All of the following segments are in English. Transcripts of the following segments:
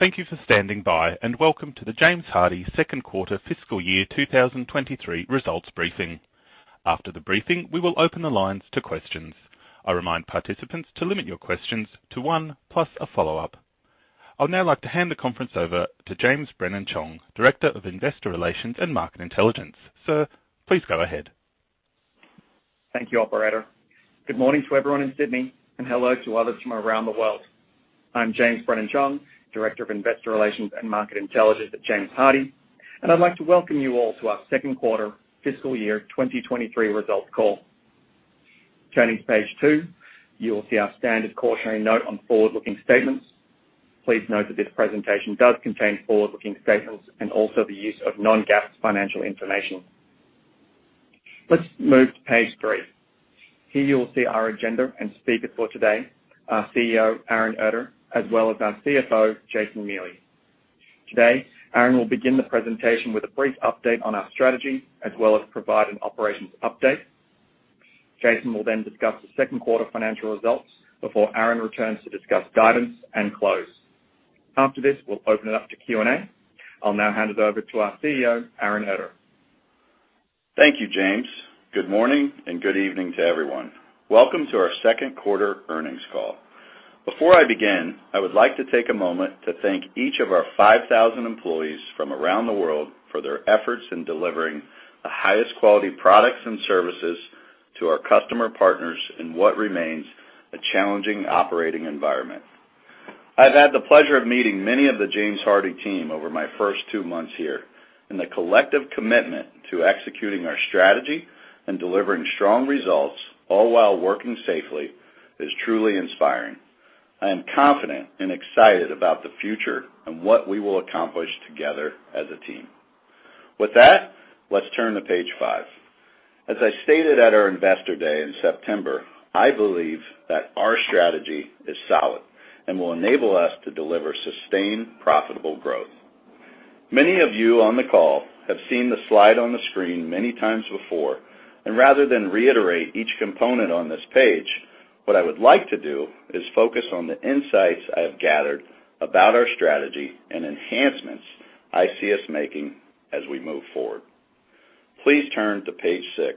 Thank you for standing by, and welcome to the James Hardie second quarter fiscal year 2023 results briefing. After the briefing, we will open the lines to questions. I remind participants to limit your questions to one plus a follow-up. I would now like to hand the conference over to James Brennan-Chong, Director of Investor Relations and Market Intelligence. Sir, please go ahead. Thank you, operator. Good morning to everyone in Sydney, and hello to others from around the world. I'm James Brennan-Chong, Director of Investor Relations and Market Intelligence at James Hardie, and I'd like to welcome you all to our second quarter fiscal year 2023 results call. Turning to page two, you will see our standard cautionary note on forward-looking statements. Please note that this presentation does contain forward-looking statements and also the use of non-GAAP financial information. Let's move to page three. Here you will see our agenda and speakers for today, our CEO, Aaron Erter, as well as our CFO, Jason Miele. Aaron will begin the presentation with a brief update on our strategy, as well as provide an operations update. Jason will then discuss the second quarter financial results before Aaron returns to discuss guidance and close. After this, we'll open it up to Q&A. I'll now hand it over to our CEO, Aaron Erter. Thank you, James. Good morning and good evening to everyone. Welcome to our second quarter earnings call. Before I begin, I would like to take a moment to thank each of our 5,000 employees from around the world for their efforts in delivering the highest quality products and services to our customer partners in what remains a challenging operating environment. I've had the pleasure of meeting many of the James Hardie team over my first two months here, and the collective commitment to executing our strategy and delivering strong results, all while working safely, is truly inspiring. I am confident and excited about the future and what we will accomplish together as a team. With that, let's turn to page five. As I stated at our investor day in September, I believe that our strategy is solid and will enable us to deliver sustained, profitable growth. Many of you on the call have seen the slide on the screen many times before. Rather than reiterate each component on this page, what I would like to do is focus on the insights I have gathered about our strategy and enhancements I see us making as we move forward. Please turn to page six,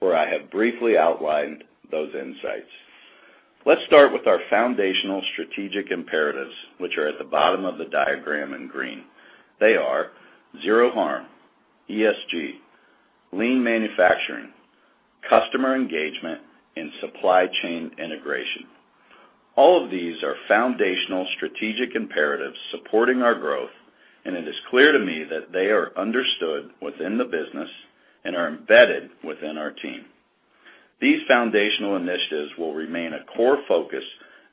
where I have briefly outlined those insights. Let's start with our foundational strategic imperatives, which are at the bottom of the diagram in green. They are zero harm, ESG, lean manufacturing, customer engagement, and supply chain integration. All of these are foundational strategic imperatives supporting our growth. It is clear to me that they are understood within the business and are embedded within our team. These foundational initiatives will remain a core focus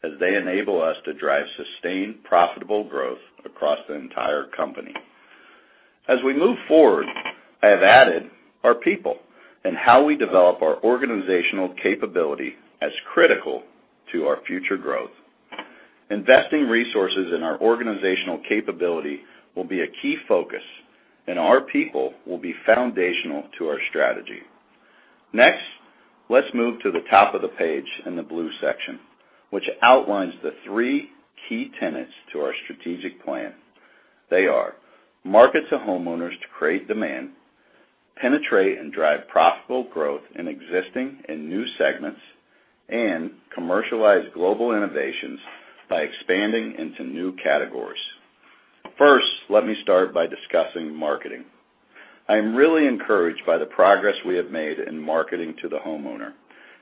as they enable us to drive sustained, profitable growth across the entire company. As we move forward, I have added our people and how we develop our organizational capability as critical to our future growth. Investing resources in our organizational capability will be a key focus. Our people will be foundational to our strategy. Next, let's move to the top of the page in the blue section, which outlines the three key tenets to our strategic plan. They are market to homeowners to create demand, penetrate and drive profitable growth in existing and new segments, and commercialize global innovations by expanding into new categories. First, let me start by discussing marketing. I am really encouraged by the progress we have made in marketing to the homeowner.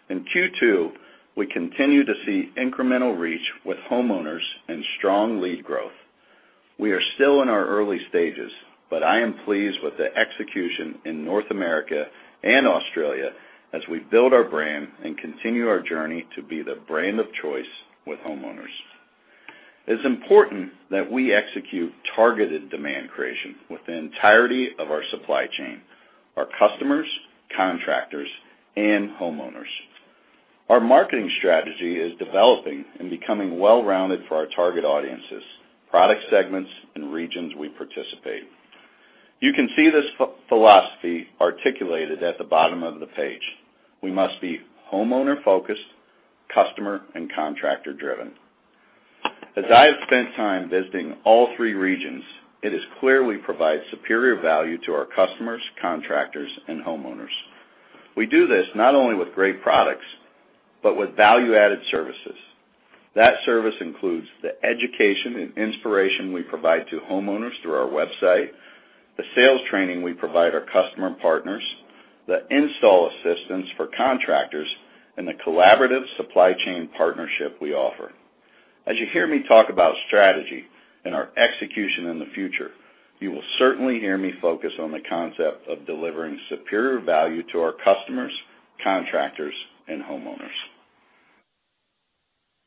In Q2, we continue to see incremental reach with homeowners and strong lead growth. We are still in our early stages. I am pleased with the execution in North America and Australia as we build our brand and continue our journey to be the brand of choice with homeowners. It is important that we execute targeted demand creation with the entirety of our supply chain, our customers, contractors, and homeowners. Our marketing strategy is developing and becoming well-rounded for our target audiences, product segments, and regions we participate. You can see this philosophy articulated at the bottom of the page. We must be homeowner-focused, customer and contractor-driven. As I have spent time visiting all three regions, it is clear we provide superior value to our customers, contractors, and homeowners. We do this not only with great products, but with value-added services. That service includes the education and inspiration we provide to homeowners through our website, the sales training we provide our customer partners, the install assistance for contractors, and the collaborative supply chain partnership we offer. As you hear me talk about strategy and our execution in the future, you will certainly hear me focus on the concept of delivering superior value to our customers, contractors, and homeowners.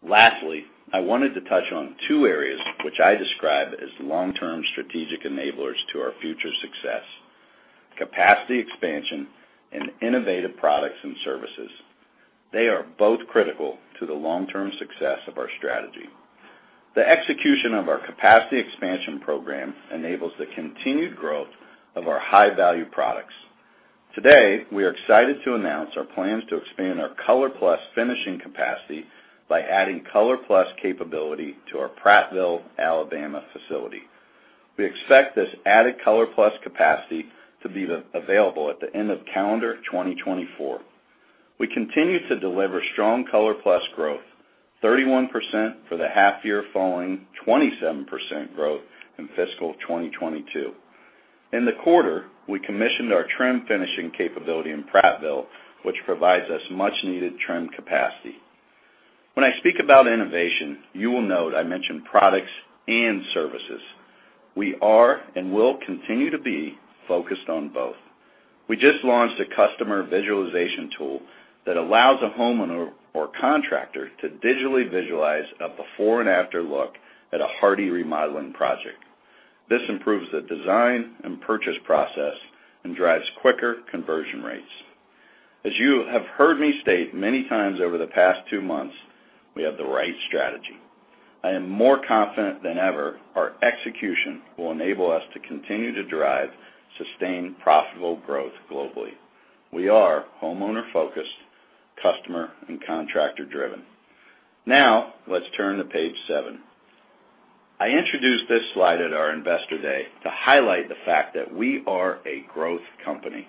Lastly, I wanted to touch on two areas which I describe as long-term strategic enablers to our future success: capacity expansion and innovative products and services. They are both critical to the long-term success of our strategy. The execution of our capacity expansion program enables the continued growth of our high-value products. Today, we are excited to announce our plans to expand our ColorPlus finishing capacity by adding ColorPlus capability to our Prattville, Alabama facility. We expect this added ColorPlus capacity to be available at the end of calendar 2024. We continue to deliver strong ColorPlus growth, 31% for the half year following 27% growth in fiscal 2022. In the quarter, we commissioned our trim finishing capability in Prattville, which provides us much needed trim capacity. When I speak about innovation, you will note I mention products and services. We are and will continue to be focused on both. We just launched a customer visualization tool that allows a homeowner or contractor to digitally visualize a before and after look at a Hardie remodeling project. This improves the design and purchase process and drives quicker conversion rates. As you have heard me state many times over the past two months, we have the right strategy. I am more confident than ever our execution will enable us to continue to drive sustained profitable growth globally. We are homeowner focused, customer and contractor driven. Let's turn to page seven. I introduced this slide at our investor day to highlight the fact that we are a growth company.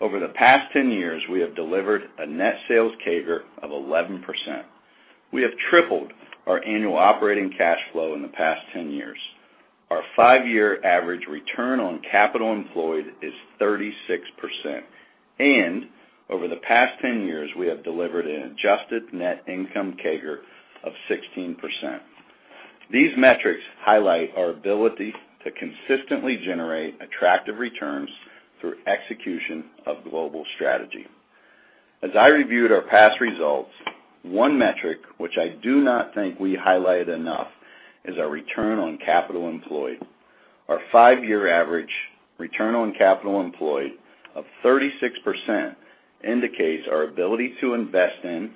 Over the past 10 years, we have delivered a net sales CAGR of 11%. We have tripled our annual operating cash flow in the past 10 years. Our five-year average return on capital employed is 36%, and over the past 10 years, we have delivered an adjusted net income CAGR of 16%. These metrics highlight our ability to consistently generate attractive returns through execution of global strategy. As I reviewed our past results, one metric which I do not think we highlight enough is our return on capital employed. Our five-year average return on capital employed of 36% indicates our ability to invest in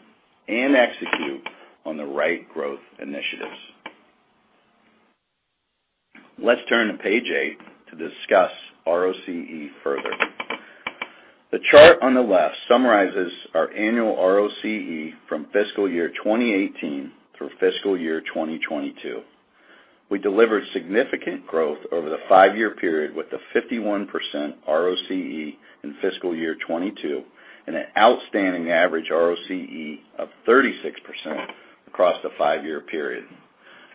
and execute on the right growth initiatives. Let's turn to page eight to discuss ROCE further. The chart on the left summarizes our annual ROCE from fiscal year 2018 through fiscal year 2022. We delivered significant growth over the five-year period with a 51% ROCE in fiscal year 2022 and an outstanding average ROCE of 36% across the five-year period.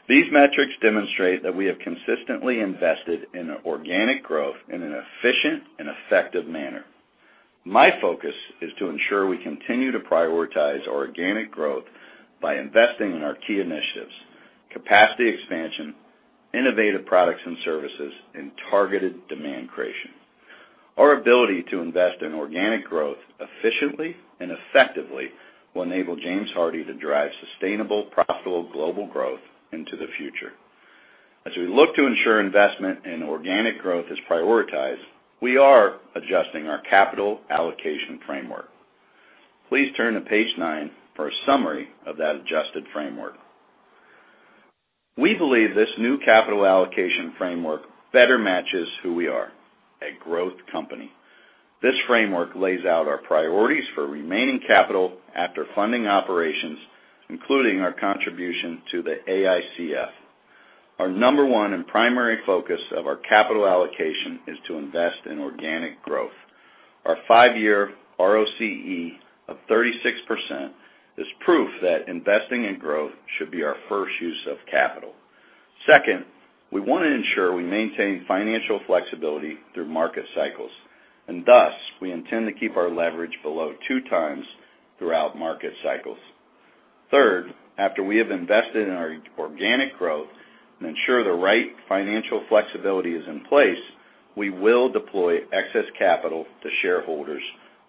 These metrics demonstrate that we have consistently invested in organic growth in an efficient and effective manner. My focus is to ensure we continue to prioritize organic growth by investing in our key initiatives, capacity expansion, innovative products and services, and targeted demand creation. Our ability to invest in organic growth efficiently and effectively will enable James Hardie to drive sustainable, profitable global growth into the future. As we look to ensure investment in organic growth is prioritized, we are adjusting our capital allocation framework. Please turn to page nine for a summary of that adjusted framework. We believe this new capital allocation framework better matches who we are, a growth company. This framework lays out our priorities for remaining capital after funding operations, including our contribution to the AICF. Our number one and primary focus of our capital allocation is to invest in organic growth. Our five-year ROCE of 36% is proof that investing in growth should be our first use of capital. Second, we want to ensure we maintain financial flexibility through market cycles, and thus, we intend to keep our leverage below two times throughout market cycles. Third, after we have invested in our organic growth and ensure the right financial flexibility is in place, we will deploy excess capital to shareholders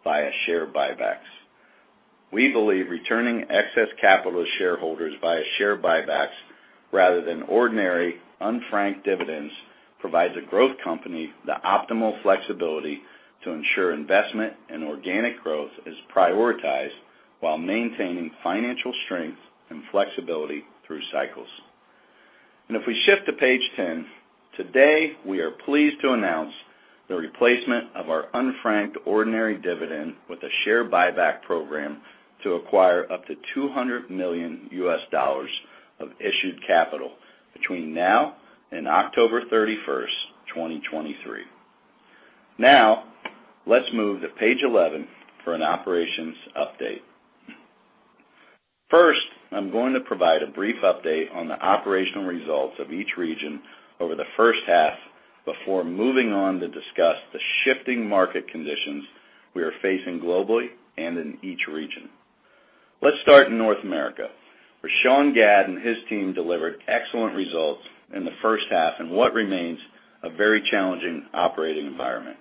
via share buybacks. We believe returning excess capital to shareholders via share buybacks rather than ordinary, unfranked dividends provides a growth company the optimal flexibility to ensure investment in organic growth is prioritized while maintaining financial strength and flexibility through cycles. If we shift to page 10, today we are pleased to announce the replacement of our unfranked ordinary dividend with a share buyback program to acquire up to $200 million of issued capital between now and October 31st, 2023. Now, let's move to page 11 for an operations update. First, I'm going to provide a brief update on the operational results of each region over the first half before moving on to discuss the shifting market conditions we are facing globally and in each region. Let's start in North America, where Sean Gadd and his team delivered excellent results in the first half in what remains a very challenging operating environment.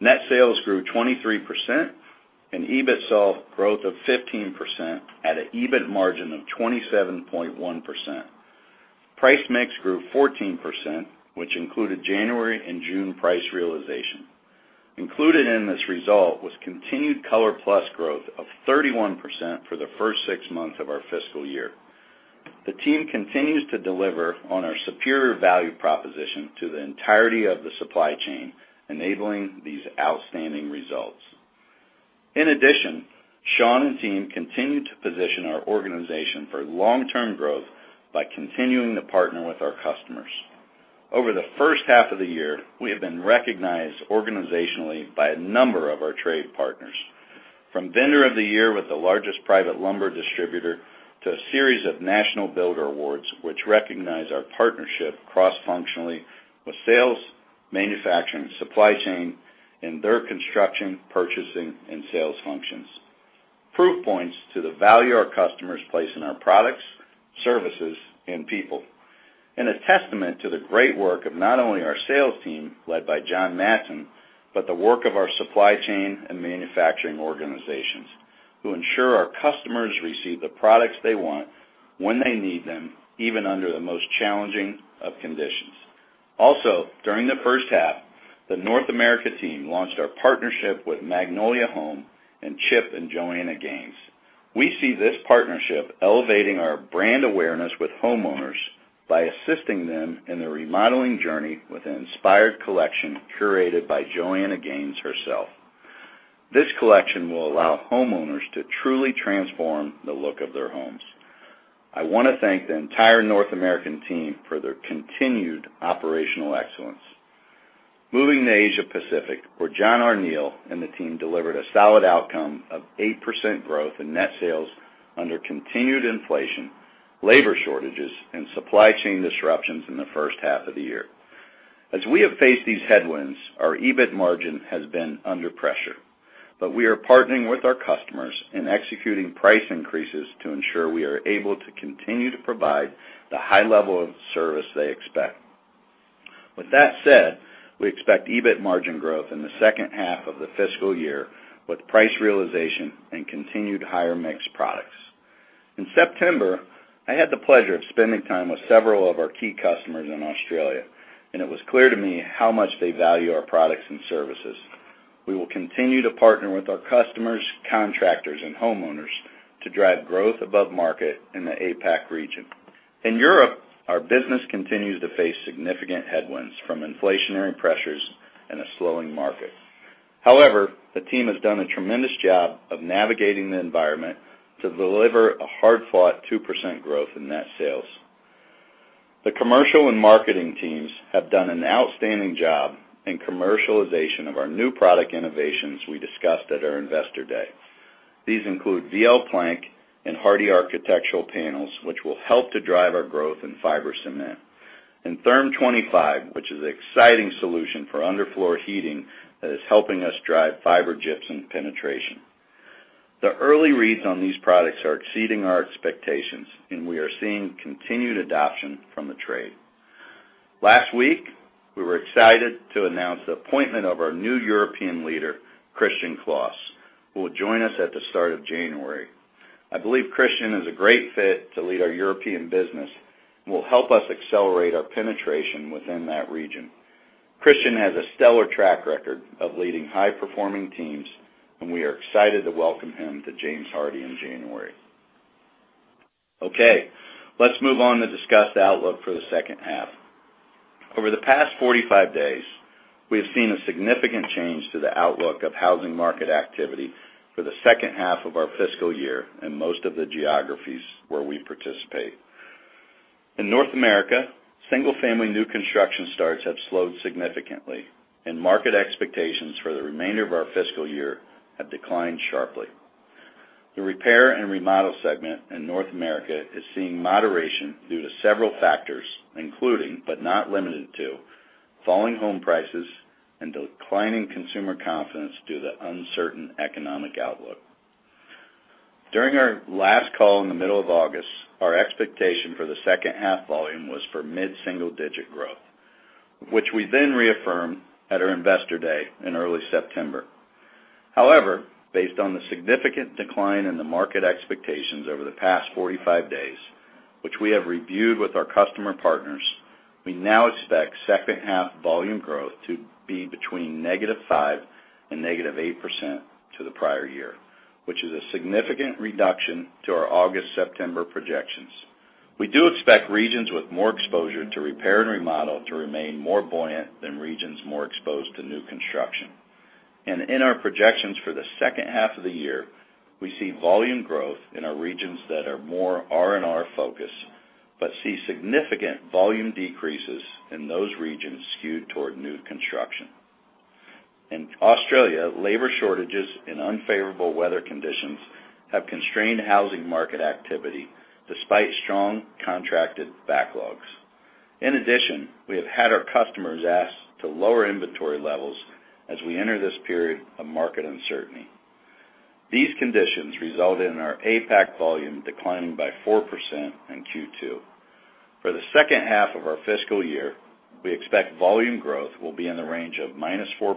Net sales grew 23% and EBIT saw growth of 15% at an EBIT margin of 27.1%. Price mix grew 14%, which included January and June price realization. Included in this result was continued ColorPlus growth of 31% for the first six months of our fiscal year. The team continues to deliver on our superior value proposition to the entirety of the supply chain, enabling these outstanding results. In addition, Sean and team continue to position our organization for long-term growth by continuing to partner with our customers. Over the first half of the year, we have been recognized organizationally by a number of our trade partners, from vendor of the year with the largest private lumber distributor, to a series of national builder awards, which recognize our partnership cross-functionally with sales, manufacturing, and supply chain in their construction, purchasing, and sales functions. Proof points to the value our customers place in our products, services, and people, and a testament to the great work of not only our sales team, led by John Madson, but the work of our supply chain and manufacturing organizations who ensure our customers receive the products they want, when they need them, even under the most challenging of conditions. Also, during the first half, the North America team launched our partnership with Magnolia Home and Chip and Joanna Gaines. We see this partnership elevating our brand awareness with homeowners by assisting them in their remodeling journey with an inspired collection curated by Joanna Gaines herself. This collection will allow homeowners to truly transform the look of their homes. Moving to Asia Pacific, where John O'Neill and the team delivered a solid outcome of 8% growth in net sales under continued inflation, labor shortages, and supply chain disruptions in the first half of the year. As we have faced these headwinds, our EBIT margin has been under pressure. We are partnering with our customers in executing price increases to ensure we are able to continue to provide the high level of service they expect. With that said, we expect EBIT margin growth in the second half of the fiscal year with price realization and continued higher mixed products. In September, I had the pleasure of spending time with several of our key customers in Australia, and it was clear to me how much they value our products and services. We will continue to partner with our customers, contractors, and homeowners to drive growth above market in the APAC region. In Europe, our business continues to face significant headwinds from inflationary pressures and a slowing market. The team has done a tremendous job of navigating the environment to deliver a hard-fought 2% growth in net sales. The commercial and marketing teams have done an outstanding job in commercialization of our new product innovations we discussed at our investor day. These include VL Plank and Hardie Architectural Panels, which will help to drive our growth in fiber cement. Therm25, which is an exciting solution for underfloor heating that is helping us drive fiber gypsum penetration. The early reads on these products are exceeding our expectations, and we are seeing continued adoption from the trade. Last week, we were excited to announce the appointment of our new European leader, Christian Claus, who will join us at the start of January. I believe Christian is a great fit to lead our European business, and will help us accelerate our penetration within that region. Christian has a stellar track record of leading high-performing teams, and we are excited to welcome him to James Hardie in January. Okay. Let's move on to discuss the outlook for the second half. Over the past 45 days, we have seen a significant change to the outlook of housing market activity for the second half of our fiscal year in most of the geographies where we participate. In North America, single-family new construction starts have slowed significantly, and market expectations for the remainder of our fiscal year have declined sharply. The repair and remodel segment in North America is seeing moderation due to several factors, including, but not limited to, falling home prices and declining consumer confidence due to the uncertain economic outlook. During our last call in the middle of August, our expectation for the second half volume was for mid-single digit growth, which we reaffirmed at our investor day in early September. Based on the significant decline in the market expectations over the past 45 days, which we have reviewed with our customer partners, we now expect second half volume growth to be between negative 5% and negative 8% to the prior year, which is a significant reduction to our August-September projections. We do expect regions with more exposure to repair and remodel to remain more buoyant than regions more exposed to new construction. In our projections for the second half of the year, we see volume growth in our regions that are more R&R focused but see significant volume decreases in those regions skewed toward new construction. In Australia, labor shortages and unfavorable weather conditions have constrained housing market activity despite strong contracted backlogs. In addition, we have had our customers asked to lower inventory levels as we enter this period of market uncertainty. These conditions resulted in our APAC volume declining by 4% in Q2. For the second half of our fiscal year, we expect volume growth will be in the range of minus 4%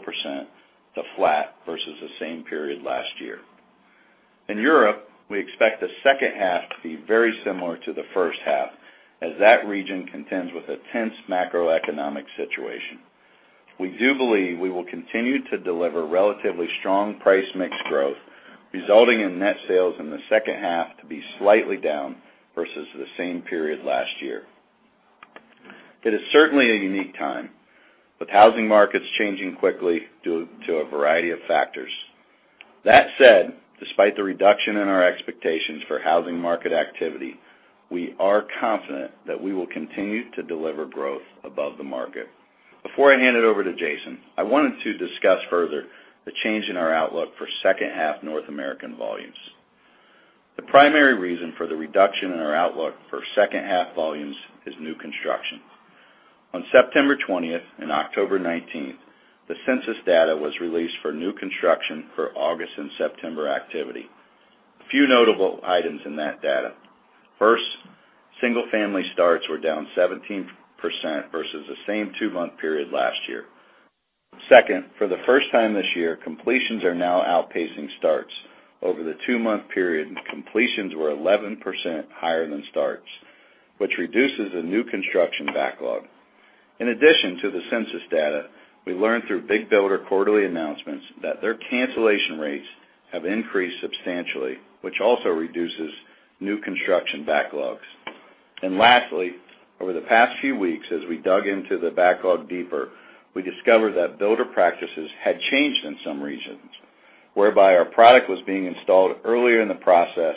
to flat versus the same period last year. In Europe, we expect the second half to be very similar to the first half, as that region contends with a tense macroeconomic situation. We do believe we will continue to deliver relatively strong price mix growth, resulting in net sales in the second half to be slightly down versus the same period last year. It is certainly a unique time, with housing markets changing quickly due to a variety of factors. That said, despite the reduction in our expectations for housing market activity, we are confident that we will continue to deliver growth above the market. Before I hand it over to Jason, I wanted to discuss further the change in our outlook for second half North American volumes. The primary reason for the reduction in our outlook for second half volumes is new construction. On September 20th and October 19th, the census data was released for new construction for August and September activity. A few notable items in that data. First, single-family starts were down 17% versus the same two-month period last year. Second, for the first time this year, completions are now outpacing starts. Over the two-month period, completions were 11% higher than starts, which reduces the new construction backlog. In addition to the census data, we learned through big builder quarterly announcements that their cancellation rates have increased substantially, which also reduces new construction backlogs. Lastly, over the past few weeks, as we dug into the backlog deeper, we discovered that builder practices had changed in some regions, whereby our product was being installed earlier in the process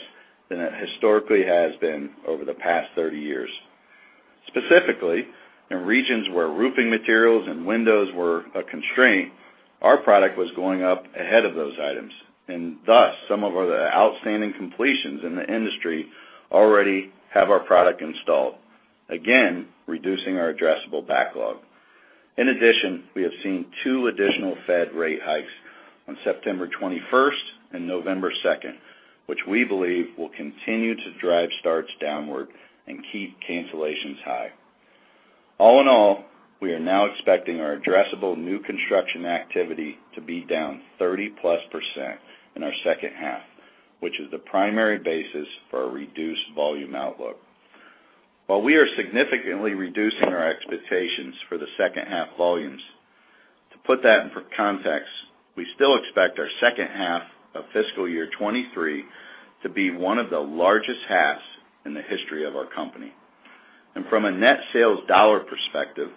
than it historically has been over the past 30 years. Specifically, in regions where roofing materials and windows were a constraint, our product was going up ahead of those items, and thus, some of the outstanding completions in the industry already have our product installed, again, reducing our addressable backlog. In addition, we have seen two additional Fed rate hikes on September 21st and November 2nd, which we believe will continue to drive starts downward and keep cancellations high. All in all, we are now expecting our addressable new construction activity to be down 30-plus % in our second half, which is the primary basis for a reduced volume outlook. While we are significantly reducing our expectations for the second-half volumes, to put that in context, we still expect our second half of fiscal year 2023 to be one of the largest halves in the history of our company. From a net sales dollar perspective,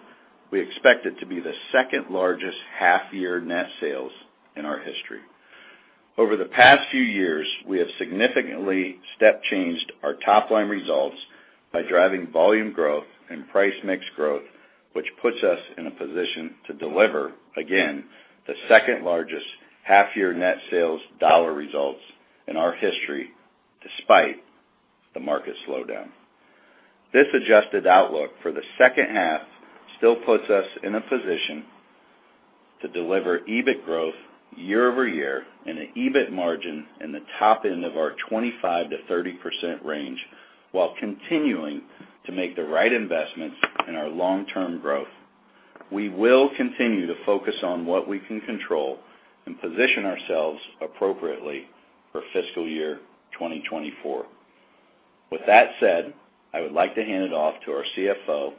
we expect it to be the second-largest half-year net sales in our history. Over the past few years, we have significantly step changed our top-line results by driving volume growth and price mix growth, which puts us in a position to deliver, again, the second-largest half-year net sales dollar results in our history, despite the market slowdown. This adjusted outlook for the second half still puts us in a position to deliver EBIT growth year-over-year and an EBIT margin in the top end of our 25%-30% range while continuing to make the right investments in our long-term growth. We will continue to focus on what we can control and position ourselves appropriately for fiscal year 2024. With that said, I would like to hand it off to our CFO,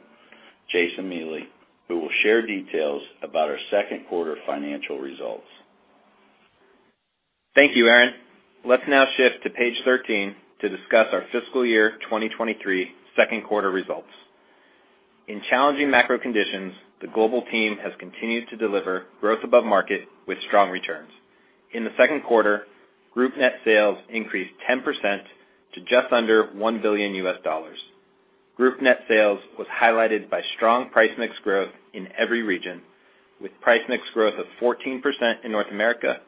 Jason Miele, who will share details about our second quarter financial results. Thank you, Aaron. Let's now shift to page 13 to discuss our fiscal year 2023 second quarter results. In challenging macro conditions, the global team has continued to deliver growth above market with strong returns. In the second quarter, group net sales increased 10% to just under $1 billion. Group net sales was highlighted by strong price mix growth in every region, with price mix growth of 14% in North America,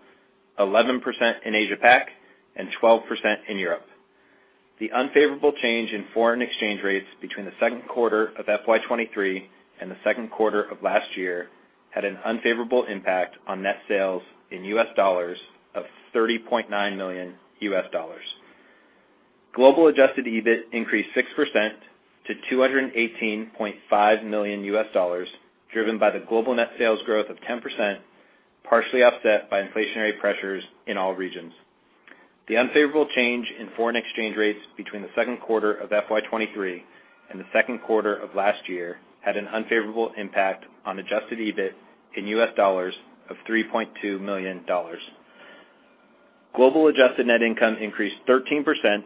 11% in Asia-Pac, and 12% in Europe. The unfavorable change in foreign exchange rates between the second quarter of FY 2023 and the second quarter of last year had an unfavorable impact on net sales in US dollars of $30.9 million. Global adjusted EBIT increased 6% to $218.5 million, driven by the global net sales growth of 10%, partially offset by inflationary pressures in all regions. The unfavorable change in foreign exchange rates between the second quarter of FY 2023 and the second quarter of last year had an unfavorable impact on adjusted EBIT in US dollars of $3.2 million. Global adjusted net income increased 13%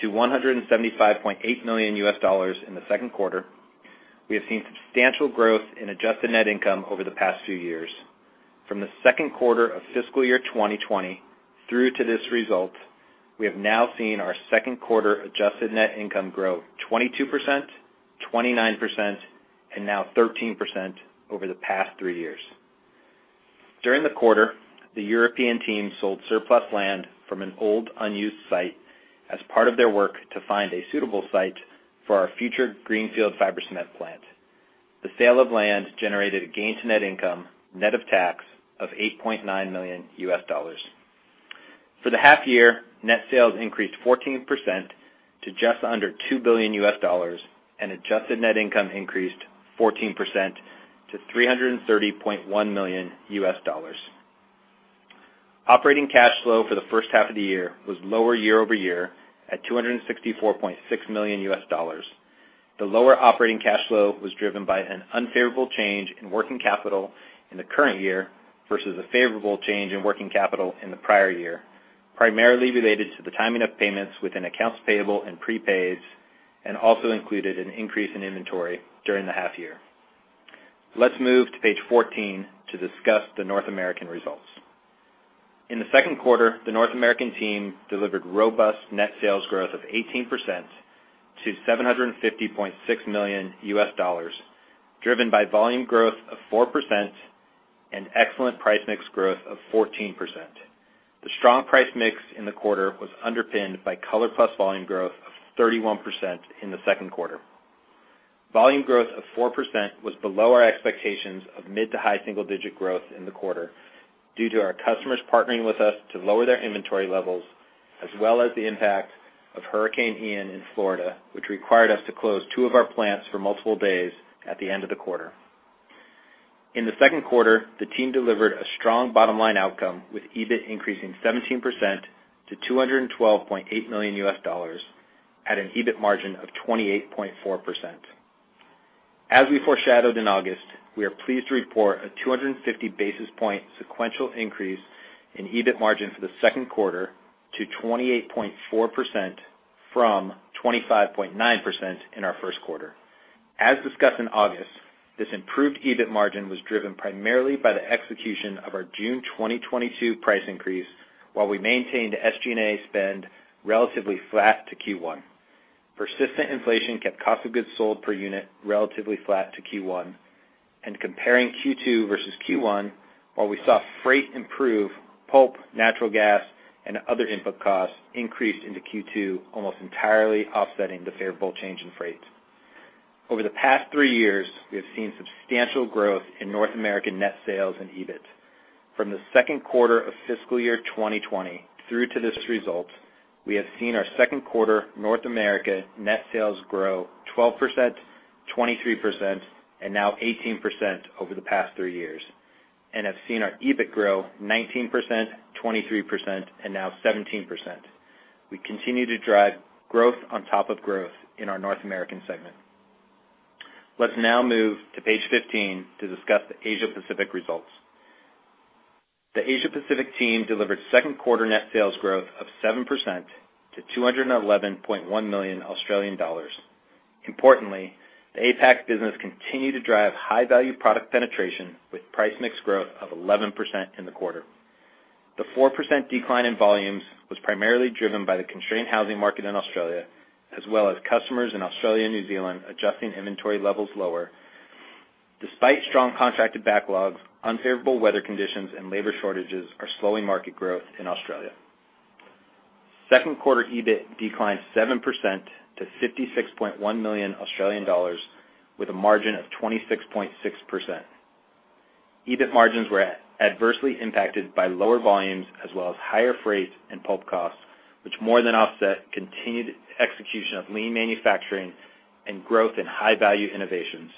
to $175.8 million in the second quarter. We have seen substantial growth in adjusted net income over the past few years. From the second quarter of fiscal year 2020 through to this result, we have now seen our second quarter adjusted net income grow 22%, 29%, and now 13% over the past three years. During the quarter, the European team sold surplus land from an old, unused site as part of their work to find a suitable site for our future greenfield fiber cement plant. The sale of land generated a gain to net income, net of tax, of $8.9 million. For the half year, net sales increased 14% to just under $2 billion and adjusted net income increased 14% to $330.1 million. Operating cash flow for the first half of the year was lower year-over-year at $264.6 million. The lower operating cash flow was driven by an unfavorable change in working capital in the current year versus a favorable change in working capital in the prior year, primarily related to the timing of payments within accounts payable and prepaids, and also included an increase in inventory during the half year. Let's move to page 14 to discuss the North American results. In the second quarter, the North American team delivered robust net sales growth of 18% to $750.6 million, driven by volume growth of 4% and excellent price mix growth of 14%. The strong price mix in the quarter was underpinned by ColorPlus volume growth of 31% in the second quarter. Volume growth of 4% was below our expectations of mid to high single-digit growth in the quarter due to our customers partnering with us to lower their inventory levels, as well as the impact of Hurricane Ian in Florida, which required us to close two of our plants for multiple days at the end of the quarter. In the second quarter, the team delivered a strong bottom-line outcome, with EBIT increasing 17% to $212.8 million at an EBIT margin of 28.4%. As we foreshadowed in August, we are pleased to report a 250 basis point sequential increase in EBIT margin for the second quarter to 28.4% from 25.9% in our first quarter. As discussed in August, this improved EBIT margin was driven primarily by the execution of our June 2022 price increase while we maintained SG&A spend relatively flat to Q1. Persistent inflation kept cost of goods sold per unit relatively flat to Q1. Comparing Q2 versus Q1, while we saw freight improve, pulp, natural gas, and other input costs increased into Q2, almost entirely offsetting the favorable change in freight. Over the past three years, we have seen substantial growth in North American net sales and EBIT. From the second quarter of fiscal year 2020 through to this result, we have seen our second quarter North America net sales grow 12%, 23%, and now 18% over the past three years, and have seen our EBIT grow 19%, 23%, and now 17%. We continue to drive growth on top of growth in our North American segment. Let's now move to page 15 to discuss the Asia Pacific results. The Asia Pacific team delivered second quarter net sales growth of 7% to 211.1 million Australian dollars. Importantly, the APAC business continued to drive high-value product penetration with price mix growth of 11% in the quarter. The 4% decline in volumes was primarily driven by the constrained housing market in Australia, as well as customers in Australia and New Zealand adjusting inventory levels lower. Despite strong contracted backlogs, unfavorable weather conditions and labor shortages are slowing market growth in Australia. Second quarter EBIT declined 7% to 56.1 million Australian dollars with a margin of 26.6%. EBIT margins were adversely impacted by lower volumes as well as higher freight and pulp costs, which more than offset continued execution of lean manufacturing and growth in high-value innovations.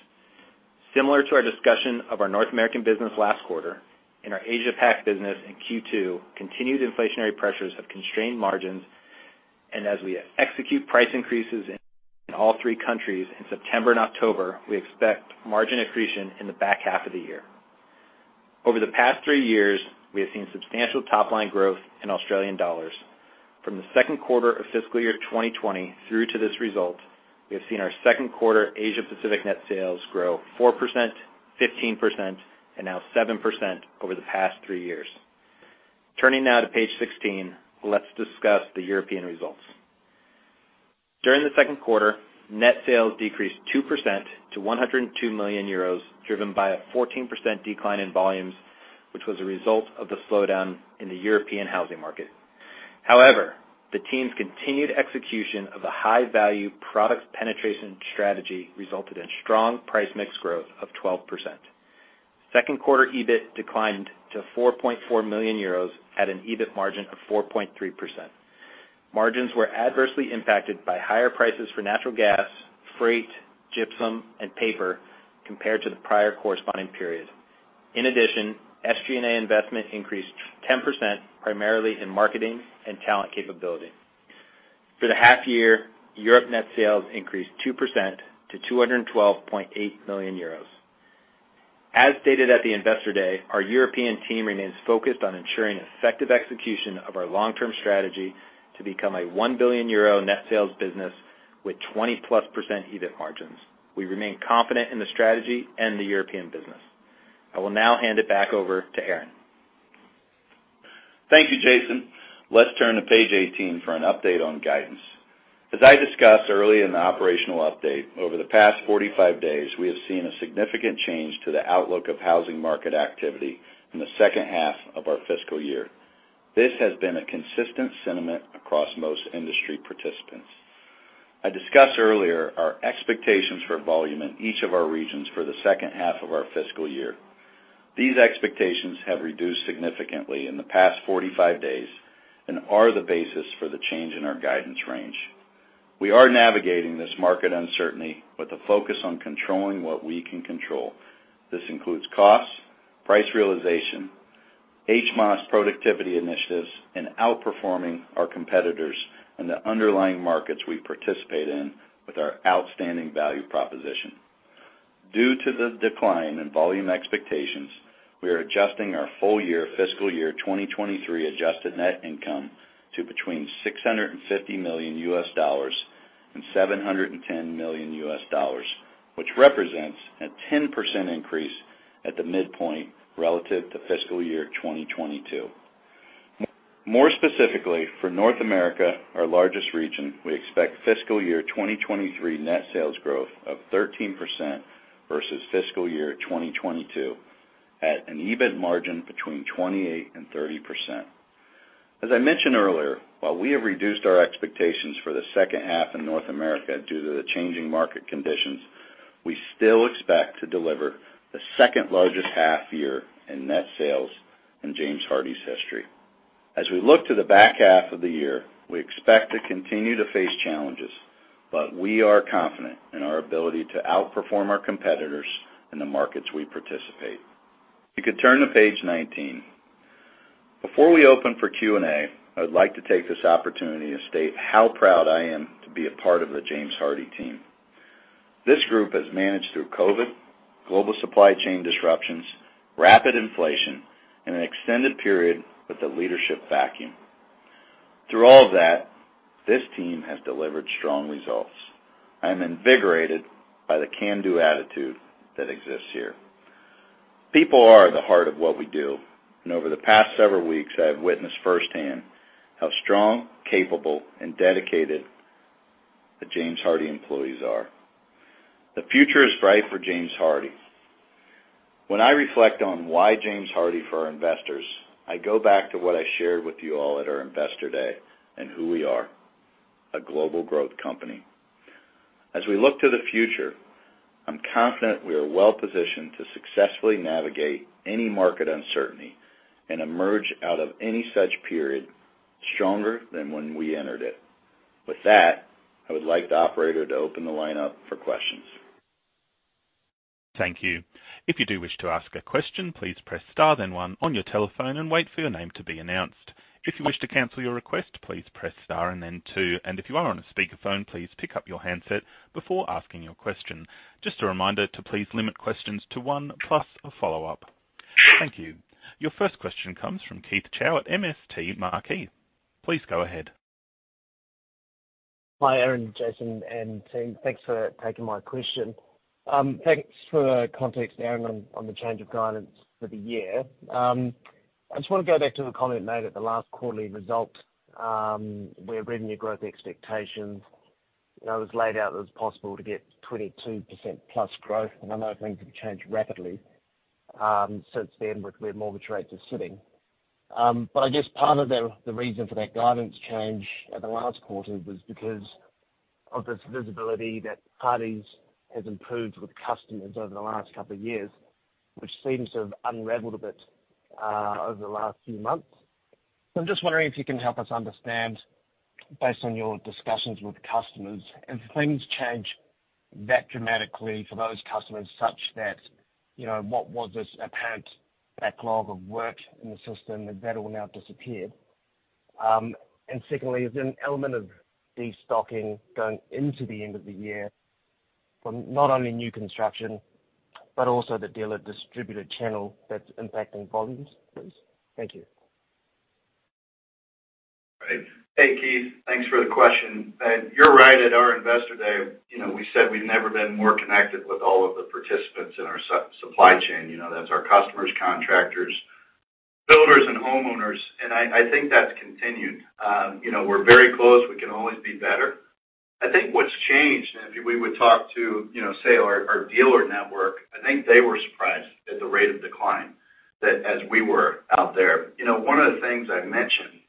Similar to our discussion of our North American business last quarter, in our Asia Pac business in Q2, continued inflationary pressures have constrained margins, and as we execute price increases in all three countries in September and October, we expect margin accretion in the back half of the year. Over the past three years, we have seen substantial top-line growth in Australian dollars. From the second quarter of fiscal year 2020 through to this result, we have seen our second quarter Asia Pacific net sales grow 4%, 15%, and now 7% over the past three years. Turning now to page 16, let's discuss the European results. During the second quarter, net sales decreased 2% to €102 million, driven by a 14% decline in volumes, which was a result of the slowdown in the European housing market. The team's continued execution of a high-value product penetration strategy resulted in strong price mix growth of 12%. Second quarter EBIT declined to €4.4 million at an EBIT margin of 4.3%. Margins were adversely impacted by higher prices for natural gas, freight, gypsum, and paper compared to the prior corresponding period. In addition, SG&A investment increased 10%, primarily in marketing and talent capability. For the half year, Europe net sales increased 2% to €212.8 million. As stated at the Investor Day, our European team remains focused on ensuring effective execution of our long-term strategy to become a 1 billion euro net sales business with 20-plus % EBIT margins. We remain confident in the strategy and the European business. I will now hand it back over to Aaron. Thank you, Jason. Let's turn to page 18 for an update on guidance. As I discussed early in the operational update, over the past 45 days, we have seen a significant change to the outlook of housing market activity in the second half of our fiscal year. This has been a consistent sentiment across most industry participants. I discussed earlier our expectations for volume in each of our regions for the second half of our fiscal year. These expectations have reduced significantly in the past 45 days and are the basis for the change in our guidance range. We are navigating this market uncertainty with a focus on controlling what we can control. This includes costs, price realization, HMOS productivity initiatives, and outperforming our competitors in the underlying markets we participate in with our outstanding value proposition. Due to the decline in volume expectations, we are adjusting our full year fiscal year 2023 adjusted net income to between $650 million and $710 million, which represents a 10% increase at the midpoint relative to fiscal year 2022. More specifically for North America, our largest region, we expect fiscal year 2023 net sales growth of 13% versus fiscal year 2022 at an EBIT margin between 28% and 30%. As I mentioned earlier, while we have reduced our expectations for the second half in North America due to the changing market conditions, we still expect to deliver the second largest half year in net sales in James Hardie's history. As we look to the back half of the year, we expect to continue to face challenges, but we are confident in our ability to outperform our competitors in the markets we participate. If you could turn to page 19. Before we open for Q&A, I would like to take this opportunity to state how proud I am to be a part of the James Hardie team. This group has managed through COVID, global supply chain disruptions, rapid inflation, and an extended period with a leadership vacuum. Through all of that, this team has delivered strong results. I am invigorated by the can-do attitude that exists here. People are the heart of what we do, and over the past several weeks, I have witnessed firsthand how strong, capable, and dedicated the James Hardie employees are. The future is bright for James Hardie. When I reflect on why James Hardie for our investors, I go back to what I shared with you all at our Investor Day and who we are: a global growth company. As we look to the future, I'm confident we are well-positioned to successfully navigate any market uncertainty and emerge out of any such period stronger than when we entered it. With that, I would like the operator to open the line up for questions. Thank you. If you do wish to ask a question, please press star then one on your telephone and wait for your name to be announced. If you wish to cancel your request, please press star then two. If you are on a speakerphone, please pick up your handset before asking your question. Just a reminder to please limit questions to one plus a follow-up. Thank you. Your first question comes from Keith Chau at MST Marquee. Please go ahead. Hi, Aaron, Jason, and team. Thanks for taking my question. Thanks for the context, Aaron, on the change of guidance for the year. I just want to go back to the comment made at the last quarterly result, where revenue growth expectations, it was laid out that it was possible to get 22% plus growth. I know things have changed rapidly since then with where mortgage rates are sitting. I guess part of the reason for that guidance change at the last quarter was because of this visibility that Hardie's has improved with customers over the last couple of years, which seems to have unraveled a bit over the last few months. I'm just wondering if you can help us understand, based on your discussions with customers, have things changed that dramatically for those customers such that what was this apparent backlog of work in the system, has that all now disappeared? Secondly, is there an element of destocking going into the end of the year from not only new construction, but also the dealer distributor channel that's impacting volumes, please? Thank you. Great. Hey, Keith. Thanks for the question. You're right, at our investor day, we said we've never been more connected with all of the participants in our supply chain. That's our customers, contractors, builders, and homeowners. I think that's continued. We're very close. We can always be better. I think what's changed, if we would talk to, say, our dealer network, I think they were surprised at the rate of decline as we were out there. One of the things I've mentioned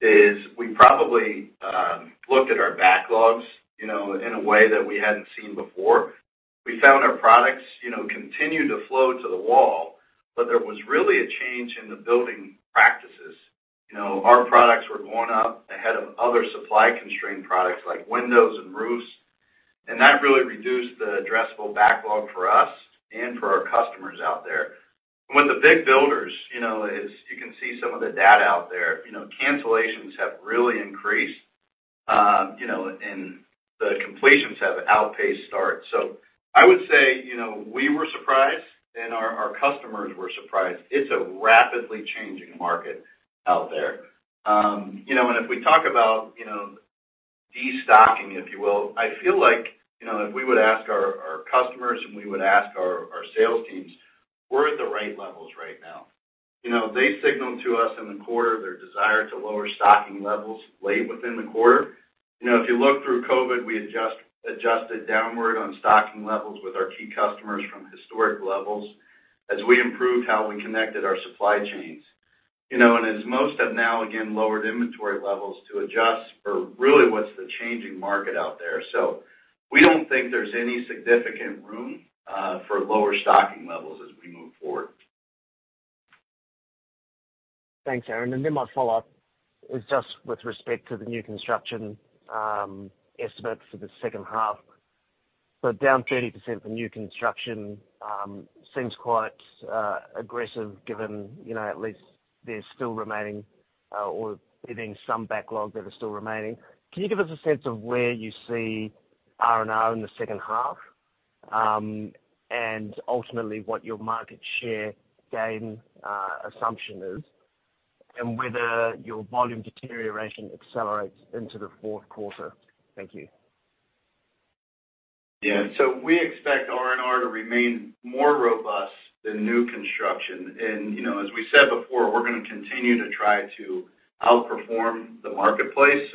is we probably looked at our backlogs in a way that we hadn't seen before. We found our products continued to flow to the wall, but there was really a change in the building practices. Our products were going up ahead of other supply-constrained products like windows and roofs, and that really reduced the addressable backlog for us and for our customers out there. With the big builders, as you can see some of the data out there, cancellations have really increased, and the completions have outpaced starts. I would say, we were surprised. Our customers were surprised. It's a rapidly changing market out there. If we talk about destocking, if you will, I feel like if we would ask our customers and we would ask our sales teams, we're at the right levels right now. They signaled to us in the quarter their desire to lower stocking levels late within the quarter. If you look through COVID, we adjusted downward on stocking levels with our key customers from historic levels as we improved how we connected our supply chains. As most have now, again, lowered inventory levels to adjust for really what's the changing market out there. We don't think there's any significant room for lower stocking levels as we move forward. Thanks, Aaron. Then my follow-up is just with respect to the new construction estimate for the second half. Down 30% for new construction seems quite aggressive given at least there's still remaining or there being some backlog that is still remaining. Can you give us a sense of where you see R&R in the second half? Ultimately what your market share gain assumption is, and whether your volume deterioration accelerates into the fourth quarter. Thank you. We expect R&R to remain more robust than new construction. As we said before, we're going to continue to try to outperform the marketplace.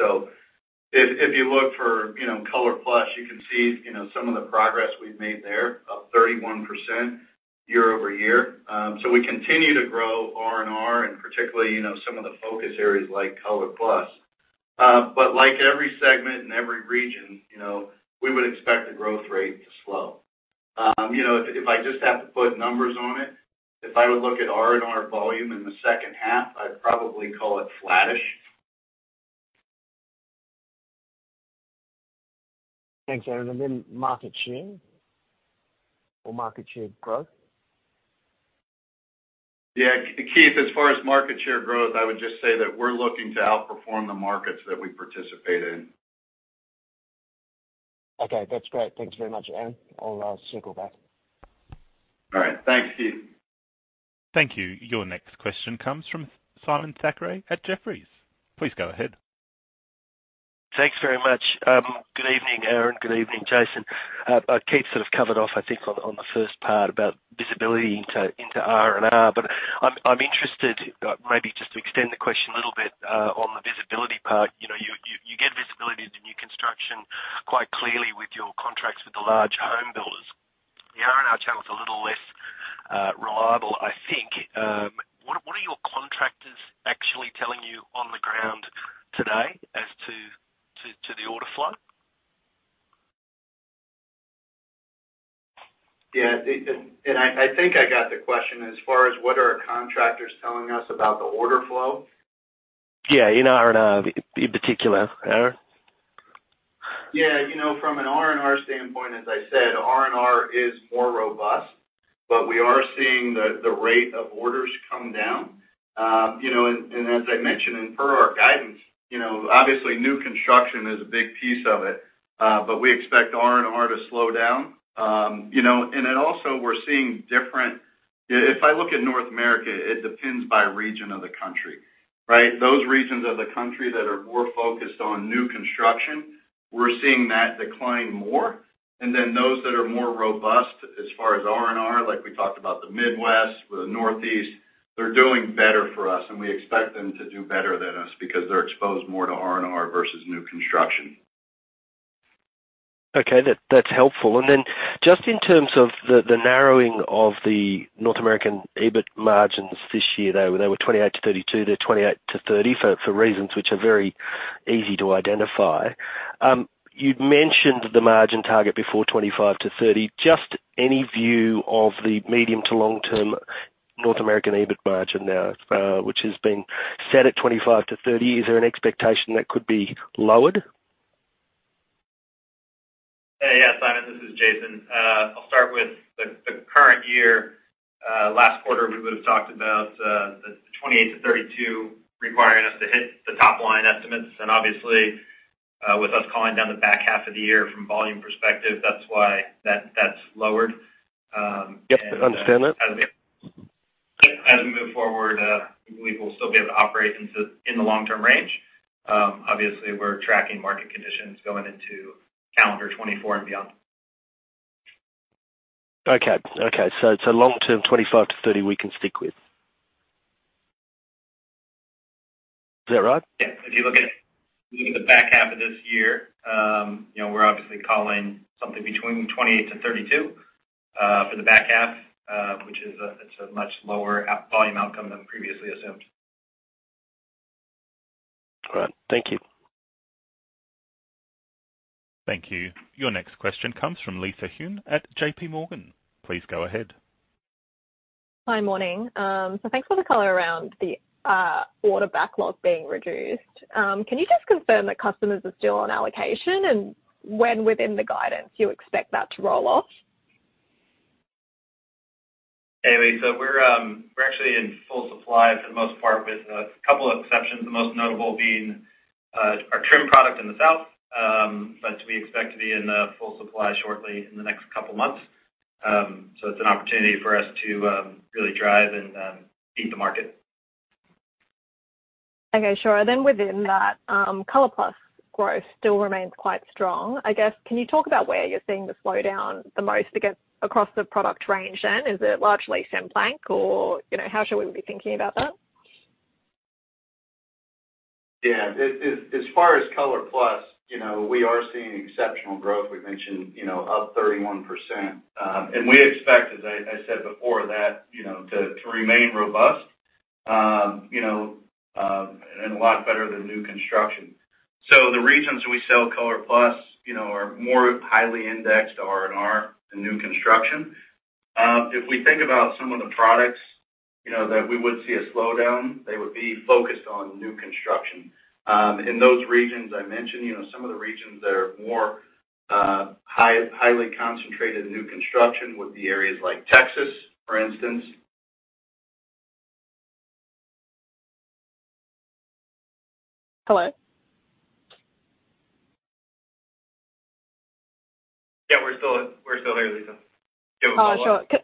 If you look for ColorPlus, you can see some of the progress we've made there, up 31% year-over-year. We continue to grow R&R and particularly some of the focus areas like ColorPlus. Like every segment and every region, we would expect the growth rate to slow. If I just have to put numbers on it, if I would look at R&R volume in the second half, I'd probably call it flattish. Thanks, Aaron, then market share or market share growth? Keith, as far as market share growth, I would just say that we're looking to outperform the markets that we participate in. That's great. Thank you very much, Aaron. I'll circle back. All right. Thanks, Keith. Thank you. Your next question comes from Simon Thackray at Jefferies. Please go ahead. Thanks very much. Good evening, Aaron. Good evening, Jason. Keith sort of covered off, I think on the first part about visibility into R&R. I'm interested, maybe just to extend the question a little bit, on the visibility part. You get visibility into new construction quite clearly with your contracts with the large home builders. The R&R channel is a little less reliable, I think. What are your contractors actually telling you on the ground today as to the order flow? Yeah. I think I got the question as far as what are contractors telling us about the order flow? Yeah, in R&R in particular, Aaron. Yeah. From an R&R standpoint, as I said, R&R is more robust, but we are seeing the rate of orders come down. As I mentioned in per our guidance, obviously new construction is a big piece of it. We expect R&R to slow down. Also we're seeing different. If I look at North America, it depends by region of the country, right? Those regions of the country that are more focused on new construction, we're seeing that decline more. Those that are more robust as far as R&R, like we talked about the Midwest or the Northeast, they're doing better for us, and we expect them to do better than us because they're exposed more to R&R versus new construction. Okay. That's helpful. Just in terms of the narrowing of the North American EBIT margins this year, they were 28%-32%, they're 28%-30%, for reasons which are very easy to identify. You'd mentioned the margin target before 25%-30%. Just any view of the medium to long-term North American EBIT margin now, which has been set at 25%-30%. Is there an expectation that could be lowered? Yeah, Simon, this is Jason. I'll start with the current year. Last quarter, we would've talked about the 28%-32% requiring us to hit the top line estimates. Obviously, with us calling down the back half of the year from volume perspective, that's why that's lowered. Yep. I understand that. As we move forward, we believe we'll still be able to operate in the long-term range. Obviously, we're tracking market conditions going into calendar 2024 and beyond. Long term, 25%-30%, we can stick with. Is that right? Yeah. If you look at the back half of this year, we're obviously calling something between 28%-32%, for the back half, which it's a much lower volume outcome than previously assumed. All right. Thank you. Thank you. Your next question comes from Lisa Huynh at JPMorgan. Please go ahead. Hi. Morning. Thanks for the color around the order backlog being reduced. Can you just confirm that customers are still on allocation and when within the guidance you expect that to roll off? Hey, Lisa, we're actually in full supply for the most part with a couple of exceptions, the most notable being our trim product in the south. We expect to be in the full supply shortly in the next couple of months. It's an opportunity for us to really drive and beat the market. Okay, sure. Within that, ColorPlus growth still remains quite strong. I guess, can you talk about where you're seeing the slowdown the most across the product range then? Is it largely Cemplank or how should we be thinking about that? As far as ColorPlus, we are seeing exceptional growth. We mentioned up 31%. We expect, as I said before, that to remain robust, and a lot better than new construction. The regions we sell ColorPlus are more highly indexed to R&R than new construction. If we think about some of the products that we would see a slowdown, they would be focused on new construction. In those regions I mentioned, some of the regions that are more highly concentrated in new construction would be areas like Texas, for instance. Hello? We're still here, Lisa. Sure. Can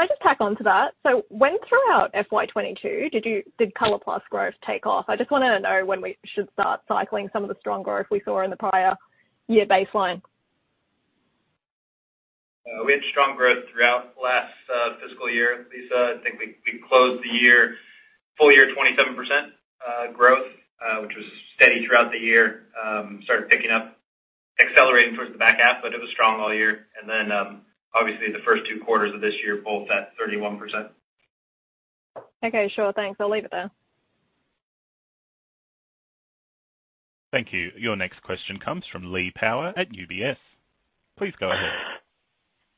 I just tack on to that? When throughout FY 2022 did ColorPlus growth take off? I just want to know when we should start cycling some of the strong growth we saw in the prior year baseline. We had strong growth throughout the last fiscal year, Lisa. I think we closed the full year 27% growth, which was steady throughout the year. Started picking up, accelerating towards the back half, but it was strong all year. Obviously the first two quarters of this year both at 31%. Okay, sure. Thanks. I'll leave it there. Thank you. Your next question comes from Lee Power at UBS. Please go ahead.